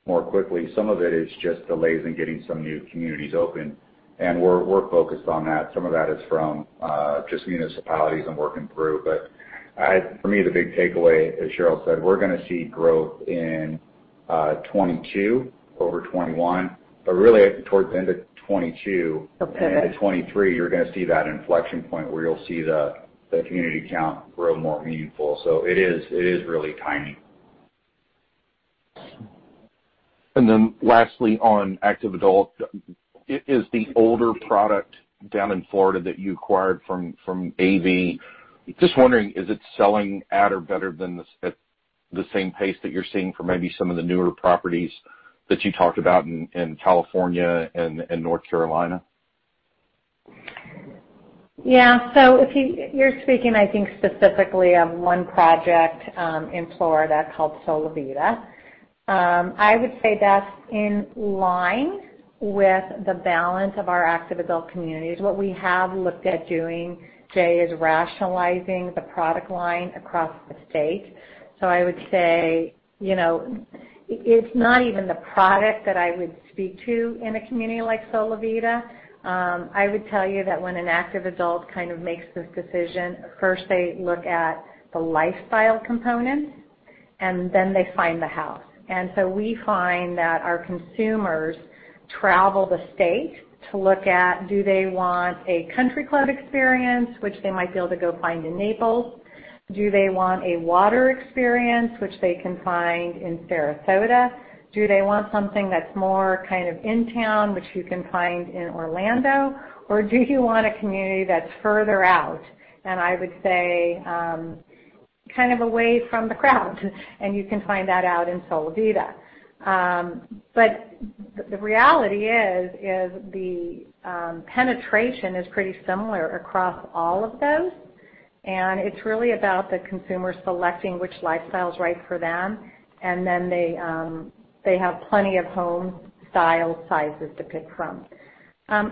more quickly. Some of it is just delays in getting some new communities open, and we're focused on that. Some of that is from just municipalities and working through, but for me, the big takeaway, as Sheryl said, we're going to see growth in 2022 over 2021, but really, towards the end of 2022 and into 2023, you're going to see that inflection point where you'll see the community count grow more meaningful, so it is really timing. Then lastly, on active adult, is the older product down in Florida that you acquired from AV? Just wondering, is it selling at or better than the same pace that you're seeing for maybe some of the newer properties that you talked about in California and North Carolina? Yeah. So you're speaking, I think, specifically of one project in Florida called Solivita. I would say that's in line with the balance of our active adult communities. What we have looked at doing, Jay, is rationalizing the product line across the state. So I would say it's not even the product that I would speak to in a community like Solivita. I would tell you that when an active adult kind of makes this decision, first, they look at the lifestyle component, and then they find the house. And so we find that our consumers travel the state to look at, do they want a country club experience, which they might be able to go find in Naples? Do they want a water experience, which they can find in Sarasota? Do they want something that's more kind of in town, which you can find in Orlando? Or do you want a community that's further out and I would say kind of away from the crowd, and you can find that out in Solivita. But the reality is the penetration is pretty similar across all of those and it's really about the consumer selecting which lifestyle is right for them and then they have plenty of home style sizes to pick from.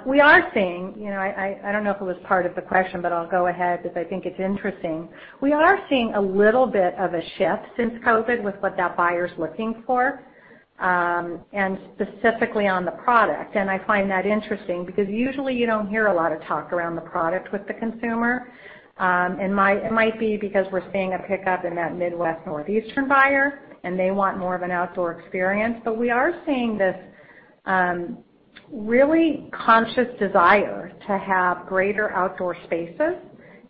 We are seeing. I don't know if it was part of the question, but I'll go ahead because I think it's interesting. We are seeing a little bit of a shift since COVID with what that buyer is looking for, and specifically on the product and I find that interesting because usually you don't hear a lot of talk around the product with the consumer and it might be because we're seeing a pickup in that Midwest, Northeastern buyer, and they want more of an outdoor experience. But we are seeing this really conscious desire to have greater outdoor spaces.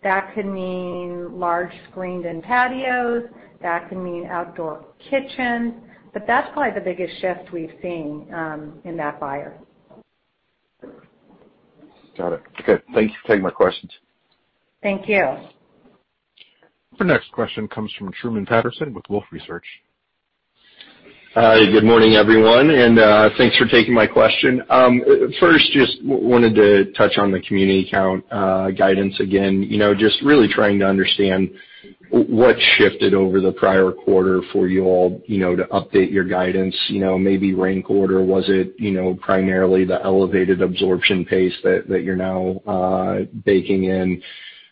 That can mean large screened-in patios. That can mean outdoor kitchens. But that's probably the biggest shift we've seen in that buyer. Got it. Okay. Thank you for taking my questions. Thank you. Our next question comes from Truman Patterson with Wolfe Research. Hi. Good morning, everyone, and thanks for taking my question. First, just wanted to touch on the community count guidance again, just really trying to understand what shifted over the prior quarter for you all to update your guidance. Maybe last quarter, was it primarily the elevated absorption pace that you're now baking in?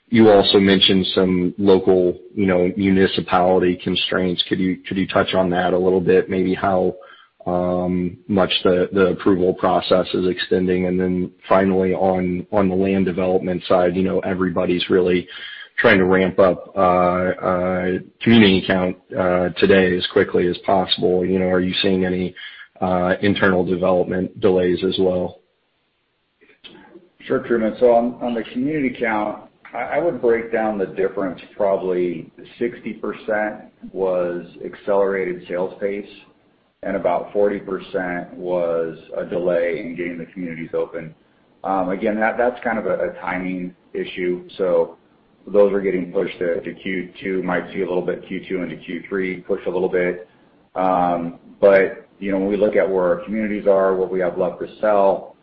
You also mentioned some local municipality constraints. Could you touch on that a little bit? Maybe how much the approval process is extending? And then finally, on the land development side, everybody's really trying to ramp up community count today as quickly as possible. Are you seeing any internal development delays as well? Sure, Truman. So on the community count, I would break down the difference. Probably 60% was accelerated sales pace, and about 40% was a delay in getting the communities open. Again, that's kind of a timing issue. So those are getting pushed to Q2. Might see a little bit Q2 into Q3 push a little bit. But when we look at where our communities are, what we have left to sell,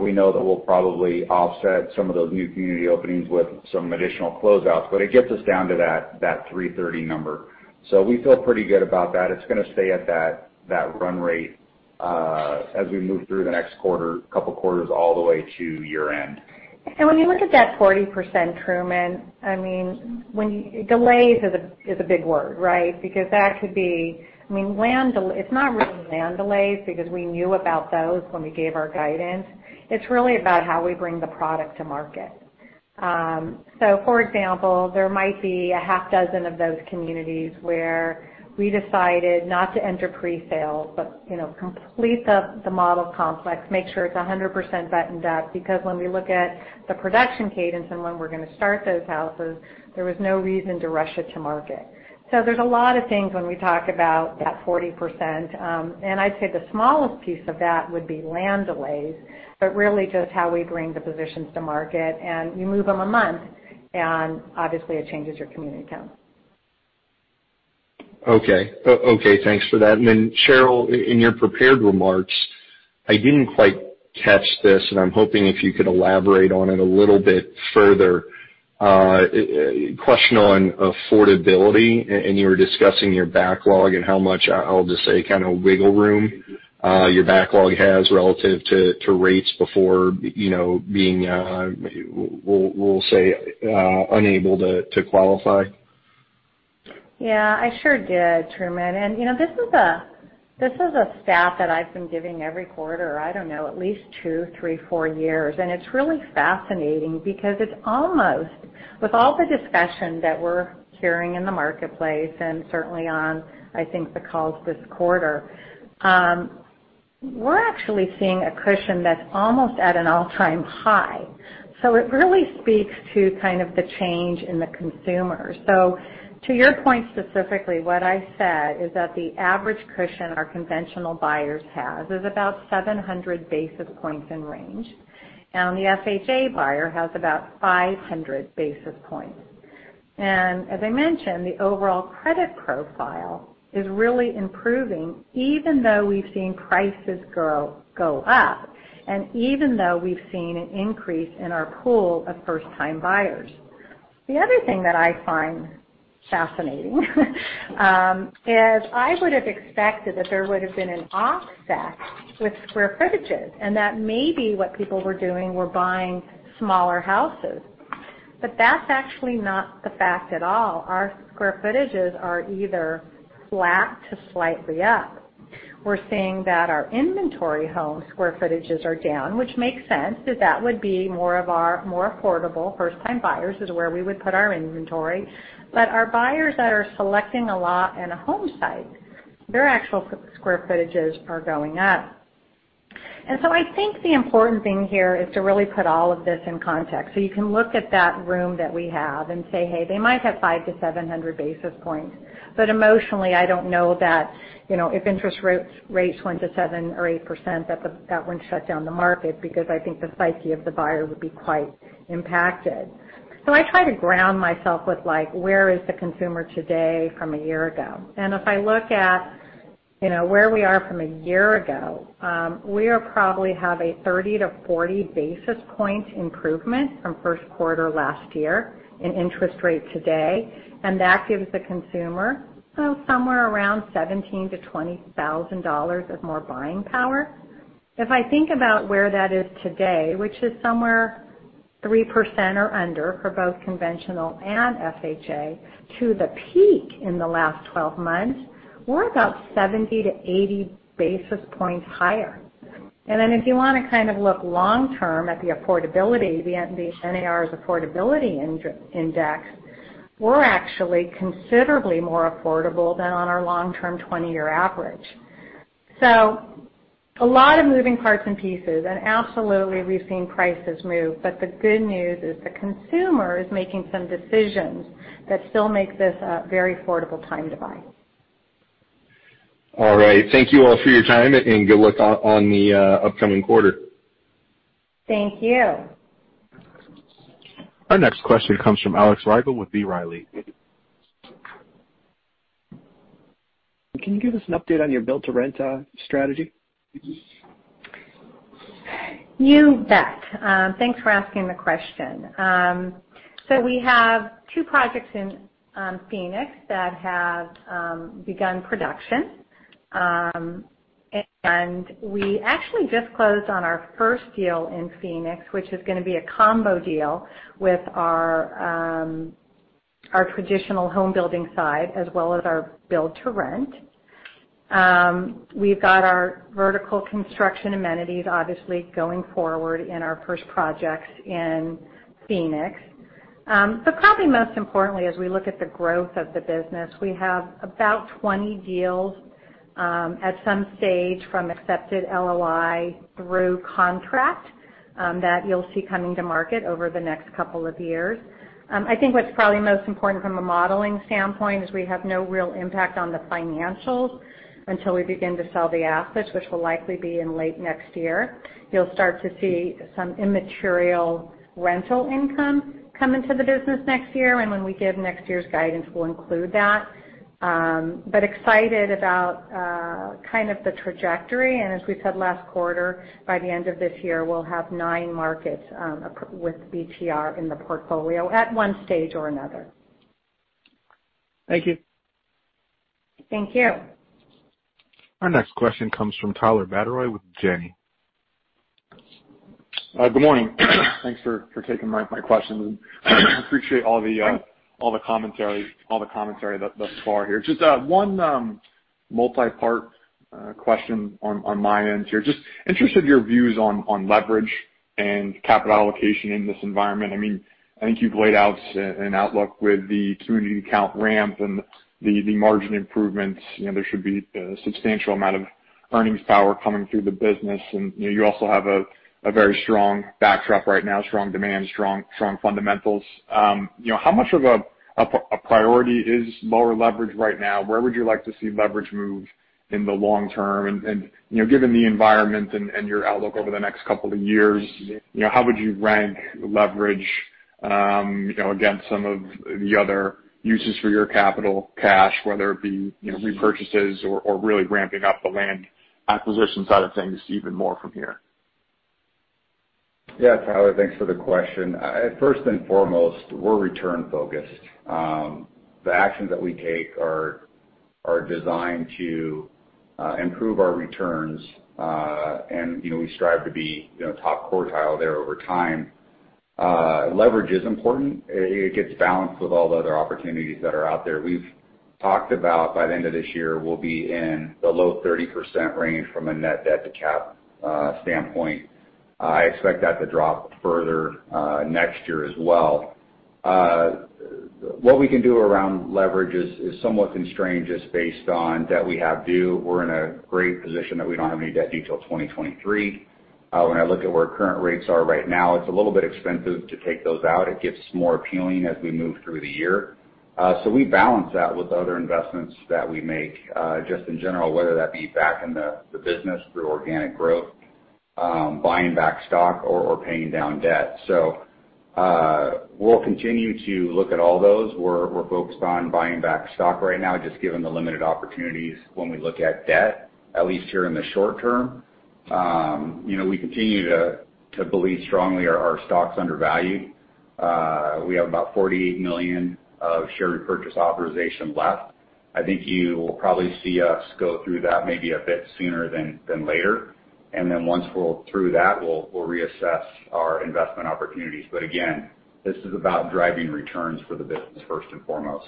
we know that we'll probably offset some of those new community openings with some additional closeouts. But it gets us down to that 330 number. So we feel pretty good about that. It's going to stay at that run rate as we move through the next couple of quarters all the way to year-end. When you look at that 40%, Truman, I mean, delays is a big word, right? Because that could be, I mean, land delays. It's not really land delays because we knew about those when we gave our guidance. It's really about how we bring the product to market. So, for example, there might be a half dozen of those communities where we decided not to enter pre-sale, but complete the model complex, make sure it's 100% buttoned up. Because when we look at the production cadence and when we're going to start those houses, there was no reason to rush it to market. So there's a lot of things when we talk about that 40%. And I'd say the smallest piece of that would be land delays, but really just how we bring the positions to market. And you move them a month, and obviously, it changes your community count. Okay. Thanks for that. And then, Sheryl, in your prepared remarks, I didn't quite catch this, and I'm hoping if you could elaborate on it a little bit further. Question on affordability, and you were discussing your backlog and how much, I'll just say, kind of wiggle room your backlog has relative to rates before being, we'll say, unable to qualify. Yeah. I sure did, Truman. And this is a stat that I've been giving every quarter, I don't know, at least two, three, four years. And it's really fascinating because it's almost, with all the discussion that we're hearing in the marketplace and certainly on, I think, the calls this quarter, we're actually seeing a cushion that's almost at an all-time high. So it really speaks to kind of the change in the consumers. So to your point specifically, what I said is that the average cushion our conventional buyers have is about 700 basis points in range. And the FHA buyer has about 500 basis points. And as I mentioned, the overall credit profile is really improving, even though we've seen prices go up and even though we've seen an increase in our pool of first-time buyers. The other thing that I find fascinating is I would have expected that there would have been an offset with square footages, and that maybe what people were doing were buying smaller houses, but that's actually not the fact at all. Our square footages are either flat to slightly up. We're seeing that our inventory home square footages are down, which makes sense because that would be more of our more affordable first-time buyers is where we would put our inventory, but our buyers that are selecting a lot in a home site, their actual square footages are going up, and so I think the important thing here is to really put all of this in context. So you can look at that room that we have and say, "Hey, they might have 5-700 basis points." But emotionally, I don't know that if interest rates went to 7% or 8%, that wouldn't shut down the market because I think the psyche of the buyer would be quite impacted. So I try to ground myself with where is the consumer today from a year ago? And if I look at where we are from a year ago, we probably have a 30-40 basis points improvement from first quarter last year in interest rate today. And that gives the consumer somewhere around $17,000-$20,000 of more buying power. If I think about where that is today, which is somewhere 3% or under for both conventional and FHA, to the peak in the last 12 months, we're about 70-80 basis points higher, and then if you want to kind of look long-term at the affordability, the NAR's affordability index, we're actually considerably more affordable than on our long-term 20-year average, so a lot of moving parts and pieces, and absolutely, we've seen prices move, but the good news is the consumer is making some decisions that still make this a very affordable time to buy. All right. Thank you all for your time, and good luck on the upcoming quarter. Thank you. Our next question comes from Alex Rygiel with B. Riley Securities. Can you give us an update on your built-to-rent strategy? You bet. Thanks for asking the question. So we have two projects in Phoenix that have begun production. And we actually just closed on our first deal in Phoenix, which is going to be a combo deal with our traditional home building side as well as our built-to-rent. We've got our vertical construction amenities, obviously, going forward in our first projects in Phoenix. But probably most importantly, as we look at the growth of the business, we have about 20 deals at some stage from accepted LOI through contract that you'll see coming to market over the next couple of years. I think what's probably most important from a modeling standpoint is we have no real impact on the financials until we begin to sell the assets, which will likely be in late next year. You'll start to see some immaterial rental income come into the business next year. When we give next year's guidance, we'll include that. Excited about kind of the trajectory. As we said last quarter, by the end of this year, we'll have nine markets with BTR in the portfolio at one stage or another. Thank you. Thank you. Our next question comes from Tyler Batory with Janney. Good morning. Thanks for taking my questions. I appreciate all the commentary thus far here. Just one multi-part question on my end here. Just interested in your views on leverage and capital allocation in this environment. I mean, I think you've laid out an outlook with the community count ramp and the margin improvements. There should be a substantial amount of earnings power coming through the business. And you also have a very strong backdrop right now, strong demand, strong fundamentals. How much of a priority is lower leverage right now? Where would you like to see leverage move in the long term? And given the environment and your outlook over the next couple of years, how would you rank leverage against some of the other uses for your capital, cash, whether it be repurchases or really ramping up the land acquisition side of things even more from here? Yeah, Tyler, thanks for the question. First and foremost, we're return-focused. The actions that we take are designed to improve our returns, and we strive to be top quartile there over time. Leverage is important. It gets balanced with all the other opportunities that are out there. We've talked about by the end of this year, we'll be in the low 30% range from a net debt-to-cap standpoint. I expect that to drop further next year as well. What we can do around leverage is somewhat constrained just based on debt we have due. We're in a great position that we don't have any debt due till 2023. When I look at where current rates are right now, it's a little bit expensive to take those out. It gets more appealing as we move through the year. So we balance that with other investments that we make just in general, whether that be back in the business through organic growth, buying back stock, or paying down debt. So we'll continue to look at all those. We're focused on buying back stock right now, just given the limited opportunities when we look at debt, at least here in the short term. We continue to believe strongly our stock's undervalued. We have about $48 million of share repurchase authorization left. I think you will probably see us go through that maybe a bit sooner than later. And then once we're through that, we'll reassess our investment opportunities. But again, this is about driving returns for the business first and foremost.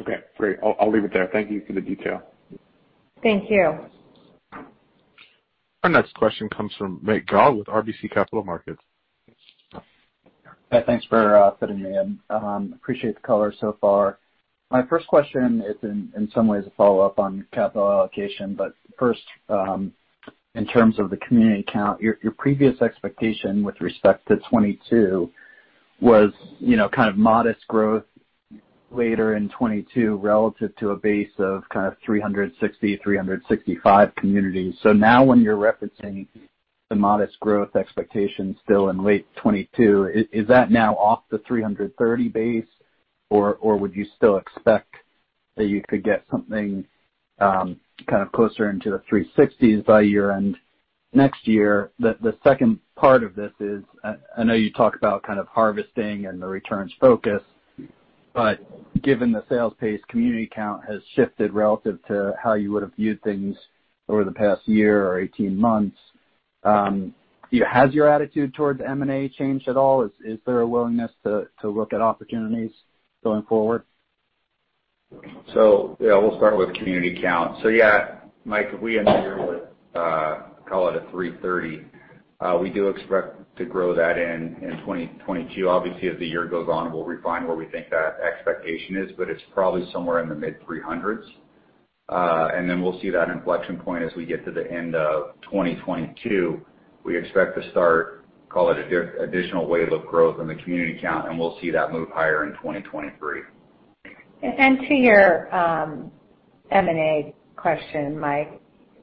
Okay. Great. I'll leave it there. Thank you for the detail. Thank you. Our next question comes from Michael Dahl with RBC Capital Markets. Thanks for fitting me in. Appreciate the color so far. My first question is in some ways a follow-up on capital allocation. But first, in terms of the community count, your previous expectation with respect to 2022 was kind of modest growth later in 2022 relative to a base of kind of 360, 365 communities. So now when you're referencing the modest growth expectation still in late 2022, is that now off the 330 base, or would you still expect that you could get something kind of closer into the 360s by year-end next year? The second part of this is I know you talk about kind of harvesting and the returns focus. But given the sales pace, community count has shifted relative to how you would have viewed things over the past year or 18 months. Has your attitude towards M&A changed at all? Is there a willingness to look at opportunities going forward? We'll start with community count. Mike, we end the year with, call it a 330. We do expect to grow that in 2022. Obviously, as the year goes on, we'll refine where we think that expectation is, but it's probably somewhere in the mid-300s. We'll see that inflection point as we get to the end of 2022. We expect to start, call it an additional wave of growth in the community count, and we'll see that move higher in 2023. And to your M&A question, Mike,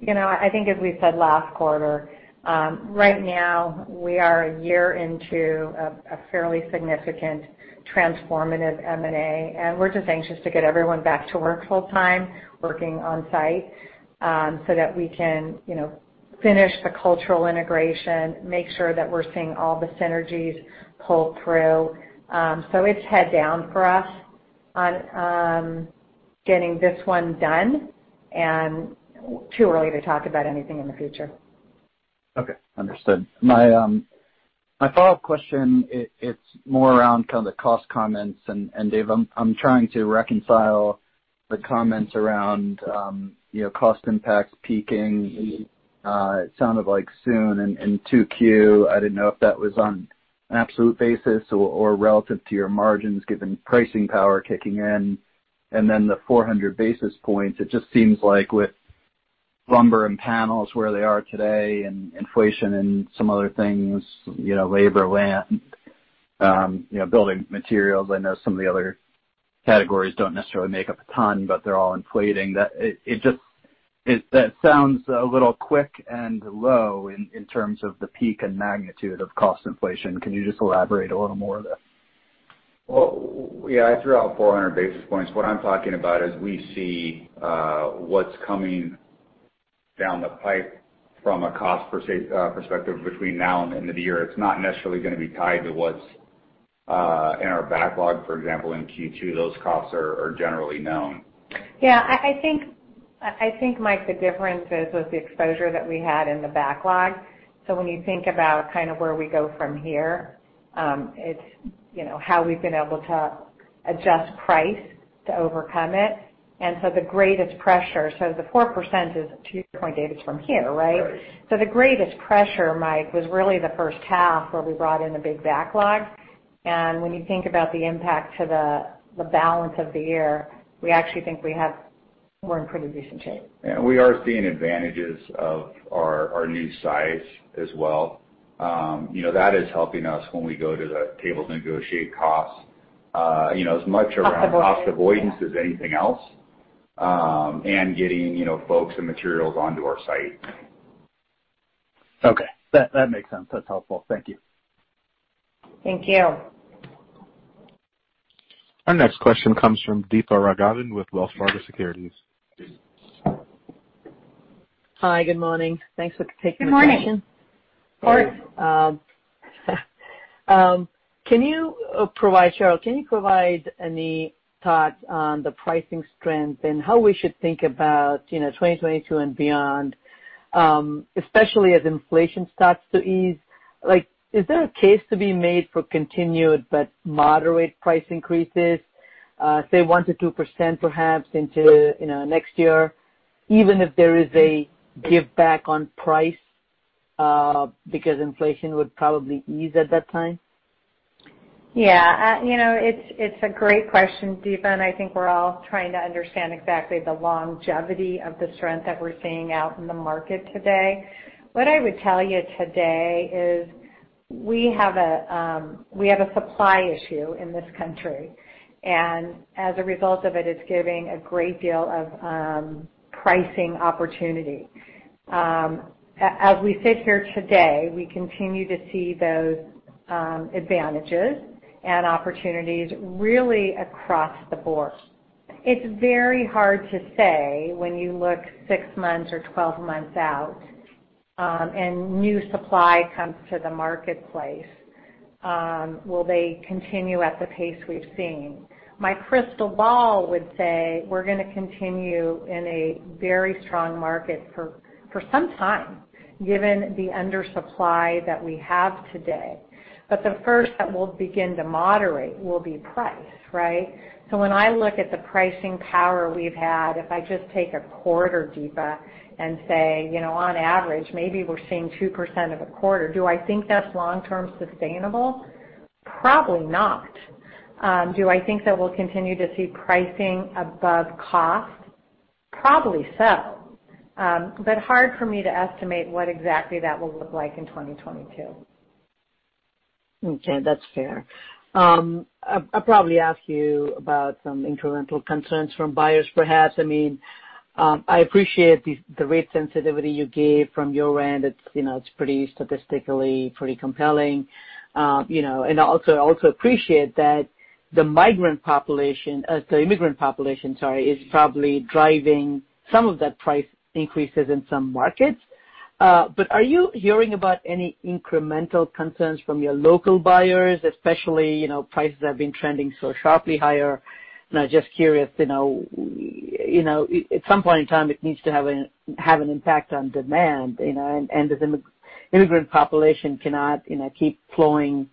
I think as we said last quarter, right now we are a year into a fairly significant transformative M&A. And we're just anxious to get everyone back to work full-time, working on-site so that we can finish the cultural integration, make sure that we're seeing all the synergies pull through. So it's head down for us on getting this one done and too early to talk about anything in the future. Okay. Understood. My follow-up question, it's more around kind of the cost comments. And Dave, I'm trying to reconcile the comments around cost impacts peaking. It sounded like soon in 2Q. I didn't know if that was on an absolute basis or relative to your margins given pricing power kicking in. And then the 400 basis points, it just seems like with lumber and panels where they are today and inflation and some other things, labor, land, building materials, I know some of the other categories don't necessarily make up a ton, but they're all inflating. That sounds a little quick and low in terms of the peak and magnitude of cost inflation. Can you just elaborate a little more of that? Yeah, throughout 400 basis points, what I'm talking about is we see what's coming down the pipe from a cost perspective between now and the end of the year. It's not necessarily going to be tied to what's in our backlog. For example, in Q2, those costs are generally known. Yeah. I think, Mike, the difference is with the exposure that we had in the backlog. So when you think about kind of where we go from here, it's how we've been able to adjust price to overcome it. And so the greatest pressure, so the 4% is, to your point, Dave, it's from here, right? Right. So the greatest pressure, Mike, was really the first half where we brought in a big backlog. And when you think about the impact to the balance of the year, we actually think we're in pretty decent shape. Yeah. We are seeing advantages of our new size as well. That is helping us when we go to the table to negotiate costs as much around cost avoidance as anything else and getting folks and materials onto our site. Okay. That makes sense. That's helpful. Thank you. Thank you. Our next question comes from Deepa Raghavan with Wells Fargo Securities. Hi. Good morning. Thanks for taking the question. Good morning. Of course. Can you provide, Sheryl, can you provide any thoughts on the pricing strength and how we should think about 2022 and beyond, especially as inflation starts to ease? Is there a case to be made for continued but moderate price increases, say 1%-2% perhaps into next year, even if there is a give back on price because inflation would probably ease at that time? Yeah. It's a great question, Deepa. And I think we're all trying to understand exactly the longevity of the strength that we're seeing out in the market today. What I would tell you today is we have a supply issue in this country. And as a result of it, it's giving a great deal of pricing opportunity. As we sit here today, we continue to see those advantages and opportunities really across the board. It's very hard to say when you look six months or 12 months out and new supply comes to the marketplace, will they continue at the pace we've seen? My crystal ball would say we're going to continue in a very strong market for some time given the undersupply that we have today. But the first that will begin to moderate will be price, right? So when I look at the pricing power we've had, if I just take a quarter, Deepa, and say, on average, maybe we're seeing 2% of a quarter, do I think that's long-term sustainable? Probably not. Do I think that we'll continue to see pricing above cost? Probably so. But hard for me to estimate what exactly that will look like in 2022. Okay. That's fair. I'll probably ask you about some incremental concerns from buyers, perhaps. I mean, I appreciate the rate sensitivity you gave from your end. It's pretty statistically compelling, and I also appreciate that the migrant population or the immigrant population, sorry, is probably driving some of that price increases in some markets, but are you hearing about any incremental concerns from your local buyers, especially prices that have been trending so sharply higher, and I'm just curious. At some point in time, it needs to have an impact on demand, and the immigrant population cannot keep flowing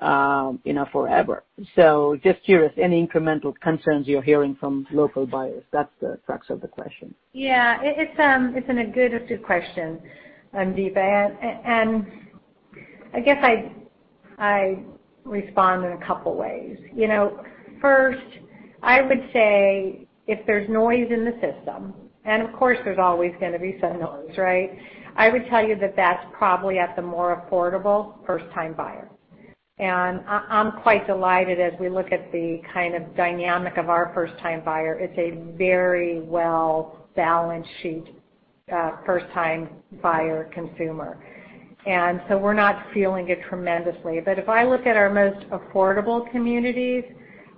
forever, so just curious, any incremental concerns you're hearing from local buyers? That's the crux of the question. Yeah. It's a good question, Deepa, and I guess I respond in a couple of ways. First, I would say if there's noise in the system, and of course, there's always going to be some noise, right? I would tell you that that's probably at the more affordable first-time buyer, and I'm quite delighted as we look at the kind of dynamic of our first-time buyer. It's a very well-balanced balance sheet first-time buyer consumer, and so we're not feeling it tremendously, but if I look at our most affordable communities,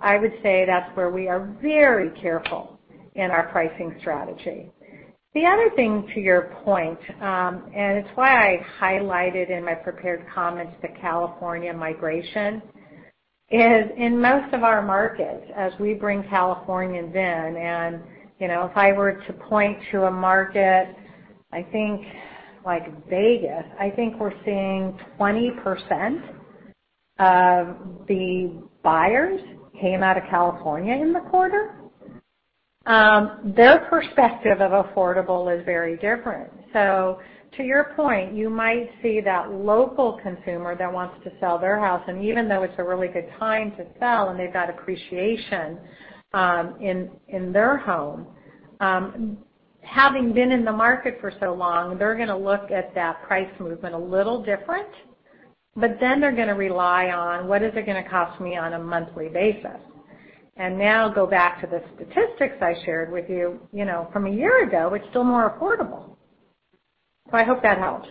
I would say that's where we are very careful in our pricing strategy. The other thing to your point, and it's why I highlighted in my prepared comments the California migration, is in most of our markets, as we bring Californians in, and if I were to point to a market, I think like Vegas, I think we're seeing 20% of the buyers came out of California in the quarter. Their perspective of affordable is very different. So to your point, you might see that local consumer that wants to sell their house, and even though it's a really good time to sell and they've got appreciation in their home, having been in the market for so long, they're going to look at that price movement a little different. But then they're going to rely on what is it going to cost me on a monthly basis? Now go back to the statistics I shared with you from a year ago. It's still more affordable. I hope that helps.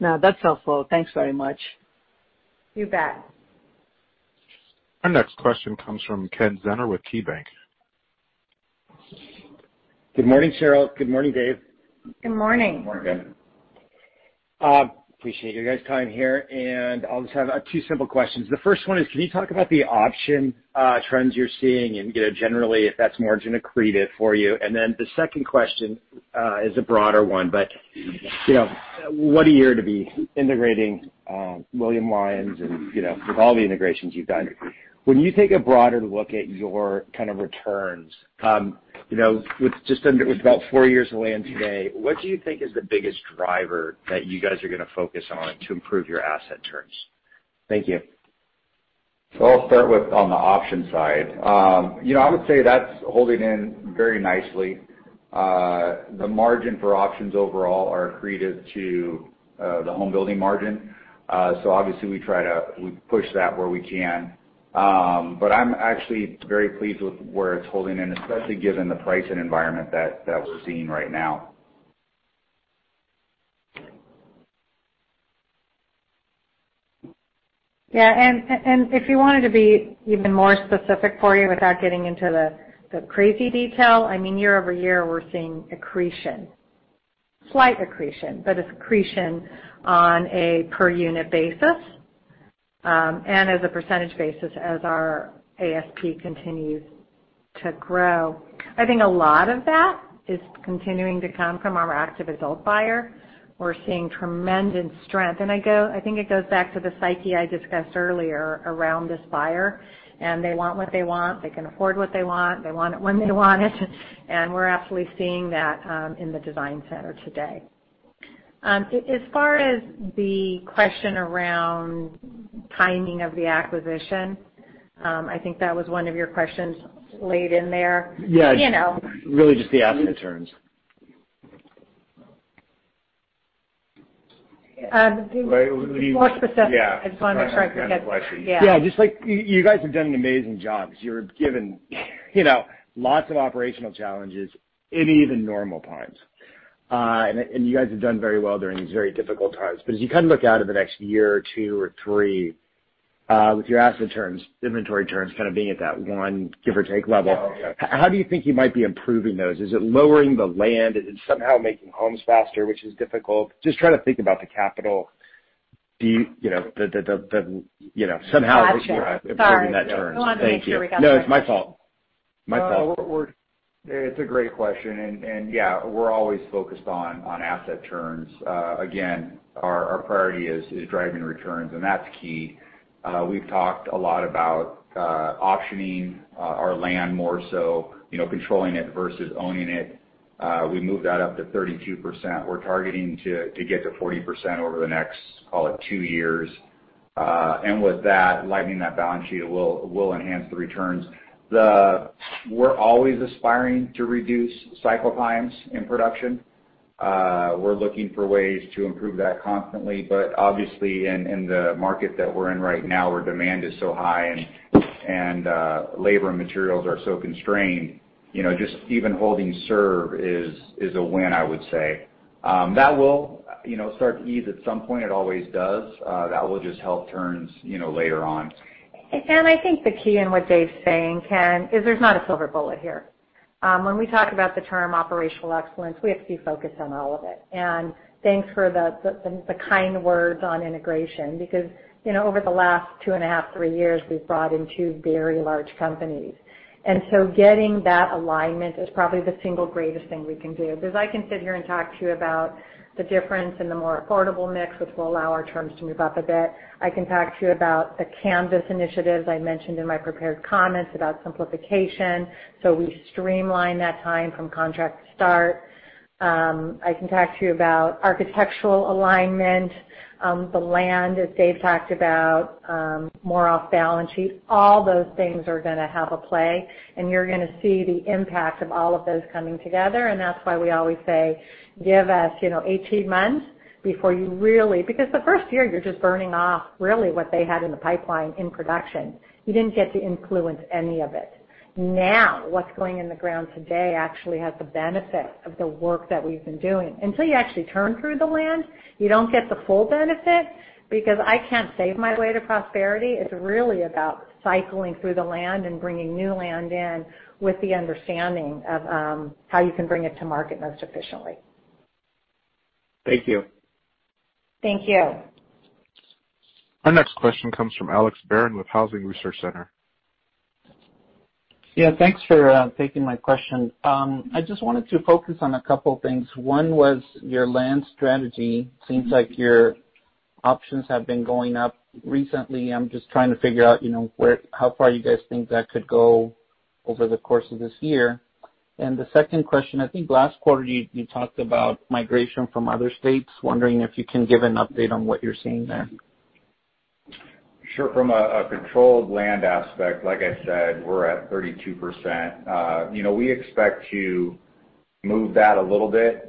No, that's helpful. Thanks very much. You bet. Our next question comes from Ken Zener with KeyBanc. Good morning, Sheryl. Good morning, Dave. Good morning. Good morning, Ben. Appreciate you guys coming here. And I'll just have two simple questions. The first one is, can you talk about the option trends you're seeing and generally if that's more generic for you? And then the second question is a broader one, but what a year to be integrating William Lyon Homes and with all the integrations you've done. When you take a broader look at your kind of returns with just about four years of land today, what do you think is the biggest driver that you guys are going to focus on to improve your asset turns? Thank you. So I'll start with on the option side. I would say that's holding in very nicely. The margin for options overall are accretive to the home building margin. So obviously, we try to push that where we can. But I'm actually very pleased with where it's holding in, especially given the price and environment that we're seeing right now. Yeah. And if you wanted to be even more specific for you without getting into the crazy detail, I mean, year over year, we're seeing accretion, slight accretion, but accretion on a per-unit basis and as a percentage basis as our ASP continues to grow. I think a lot of that is continuing to come from our active adult buyer. We're seeing tremendous strength. And I think it goes back to the psyche I discussed earlier around this buyer. And they want what they want. They can afford what they want. They want it when they want it. And we're absolutely seeing that in the design center today. As far as the question around timing of the acquisition, I think that was one of your questions laid in there. Yeah. Really just the asset terms. Right. More specific. Yeah. I just want to make sure I can get to that question. Yeah. Yeah. Just like you guys have done an amazing job because you were given lots of operational challenges in even normal times. And you guys have done very well during these very difficult times. But as you kind of look out at the next year or two or three with your asset turns, inventory turns kind of being at that one give or take level, how do you think you might be improving those? Is it lowering the land? Is it somehow making homes faster, which is difficult? Just try to think about the capital. Do you somehow improving that term? Thank you. No, it's my fault. My fault. It's a great question, and yeah, we're always focused on asset terms. Again, our priority is driving returns, and that's key. We've talked a lot about optioning our land more so, controlling it versus owning it. We moved that up to 32%. We're targeting to get to 40% over the next, call it, two years, and with that, lightening that balance sheet will enhance the returns. We're always aspiring to reduce cycle times in production. We're looking for ways to improve that constantly, but obviously, in the market that we're in right now, where demand is so high and labor and materials are so constrained, just even holding serve is a win, I would say. That will start to ease at some point. It always does. That will just help turns later on. I think the key in what Dave's saying, Ken, is there's not a silver bullet here. When we talk about the term operational excellence, we have to be focused on all of it. Thanks for the kind words on integration because over the last two and a half, three years, we've brought in two very large companies. Getting that alignment is probably the single greatest thing we can do. Because I can sit here and talk to you about the difference in the more affordable mix, which will allow our terms to move up a bit. I can talk to you about the Canvas initiatives I mentioned in my prepared comments about simplification. We streamline that time from contract start. I can talk to you about architectural alignment, the land, as Dave talked about, more off balance sheet. All those things are going to have a play. And you're going to see the impact of all of those coming together. And that's why we always say, "Give us 18 months before you really" because the first year, you're just burning off really what they had in the pipeline in production. You didn't get to influence any of it. Now, what's going in the ground today actually has the benefit of the work that we've been doing. Until you actually turn through the land, you don't get the full benefit because I can't save my way to prosperity. It's really about cycling through the land and bringing new land in with the understanding of how you can bring it to market most efficiently. Thank you. Thank you. Our next question comes from Alex Barron with Housing Research Center. Yeah. Thanks for taking my question. I just wanted to focus on a couple of things. One was your land strategy. Seems like your options have been going up recently. I'm just trying to figure out how far you guys think that could go over the course of this year. And the second question, I think last quarter, you talked about migration from other states. Wondering if you can give an update on what you're seeing there? Sure. From a controlled land aspect, like I said, we're at 32%. We expect to move that a little bit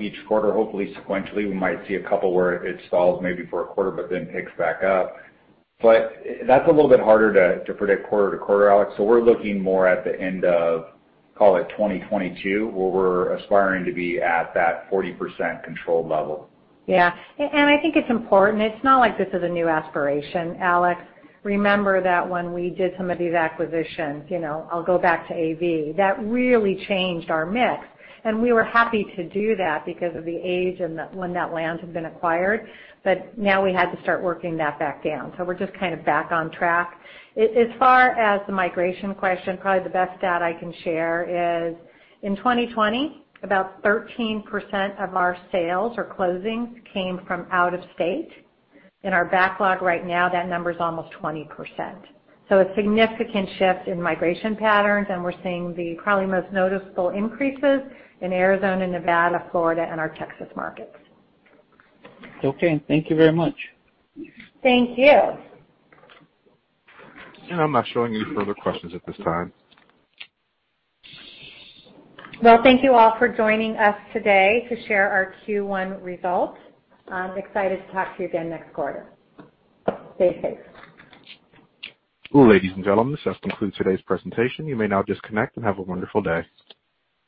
each quarter, hopefully sequentially. We might see a couple where it stalls maybe for a quarter, but then picks back up. But that's a little bit harder to predict quarter to quarter, Alex. So we're looking more at the end of, call it, 2022, where we're aspiring to be at that 40% control level. Yeah. And I think it's important. It's not like this is a new aspiration, Alex. Remember that when we did some of these acquisitions, I'll go back to AV, that really changed our mix. And we were happy to do that because of the age and when that land had been acquired. But now we had to start working that back down. So we're just kind of back on track. As far as the migration question, probably the best stat I can share is in 2020, about 13% of our sales or closings came from out of state. In our backlog right now, that number is almost 20%. So a significant shift in migration patterns. And we're seeing the probably most noticeable increases in Arizona, Nevada, Florida, and our Texas markets. Okay. Thank you very much. Thank you. I'm not showing any further questions at this time. Thank you all for joining us today to share our Q1 results. I'm excited to talk to you again next quarter. Stay safe. Ladies and gentlemen, this has concluded today's presentation. You may now disconnect and have a wonderful day.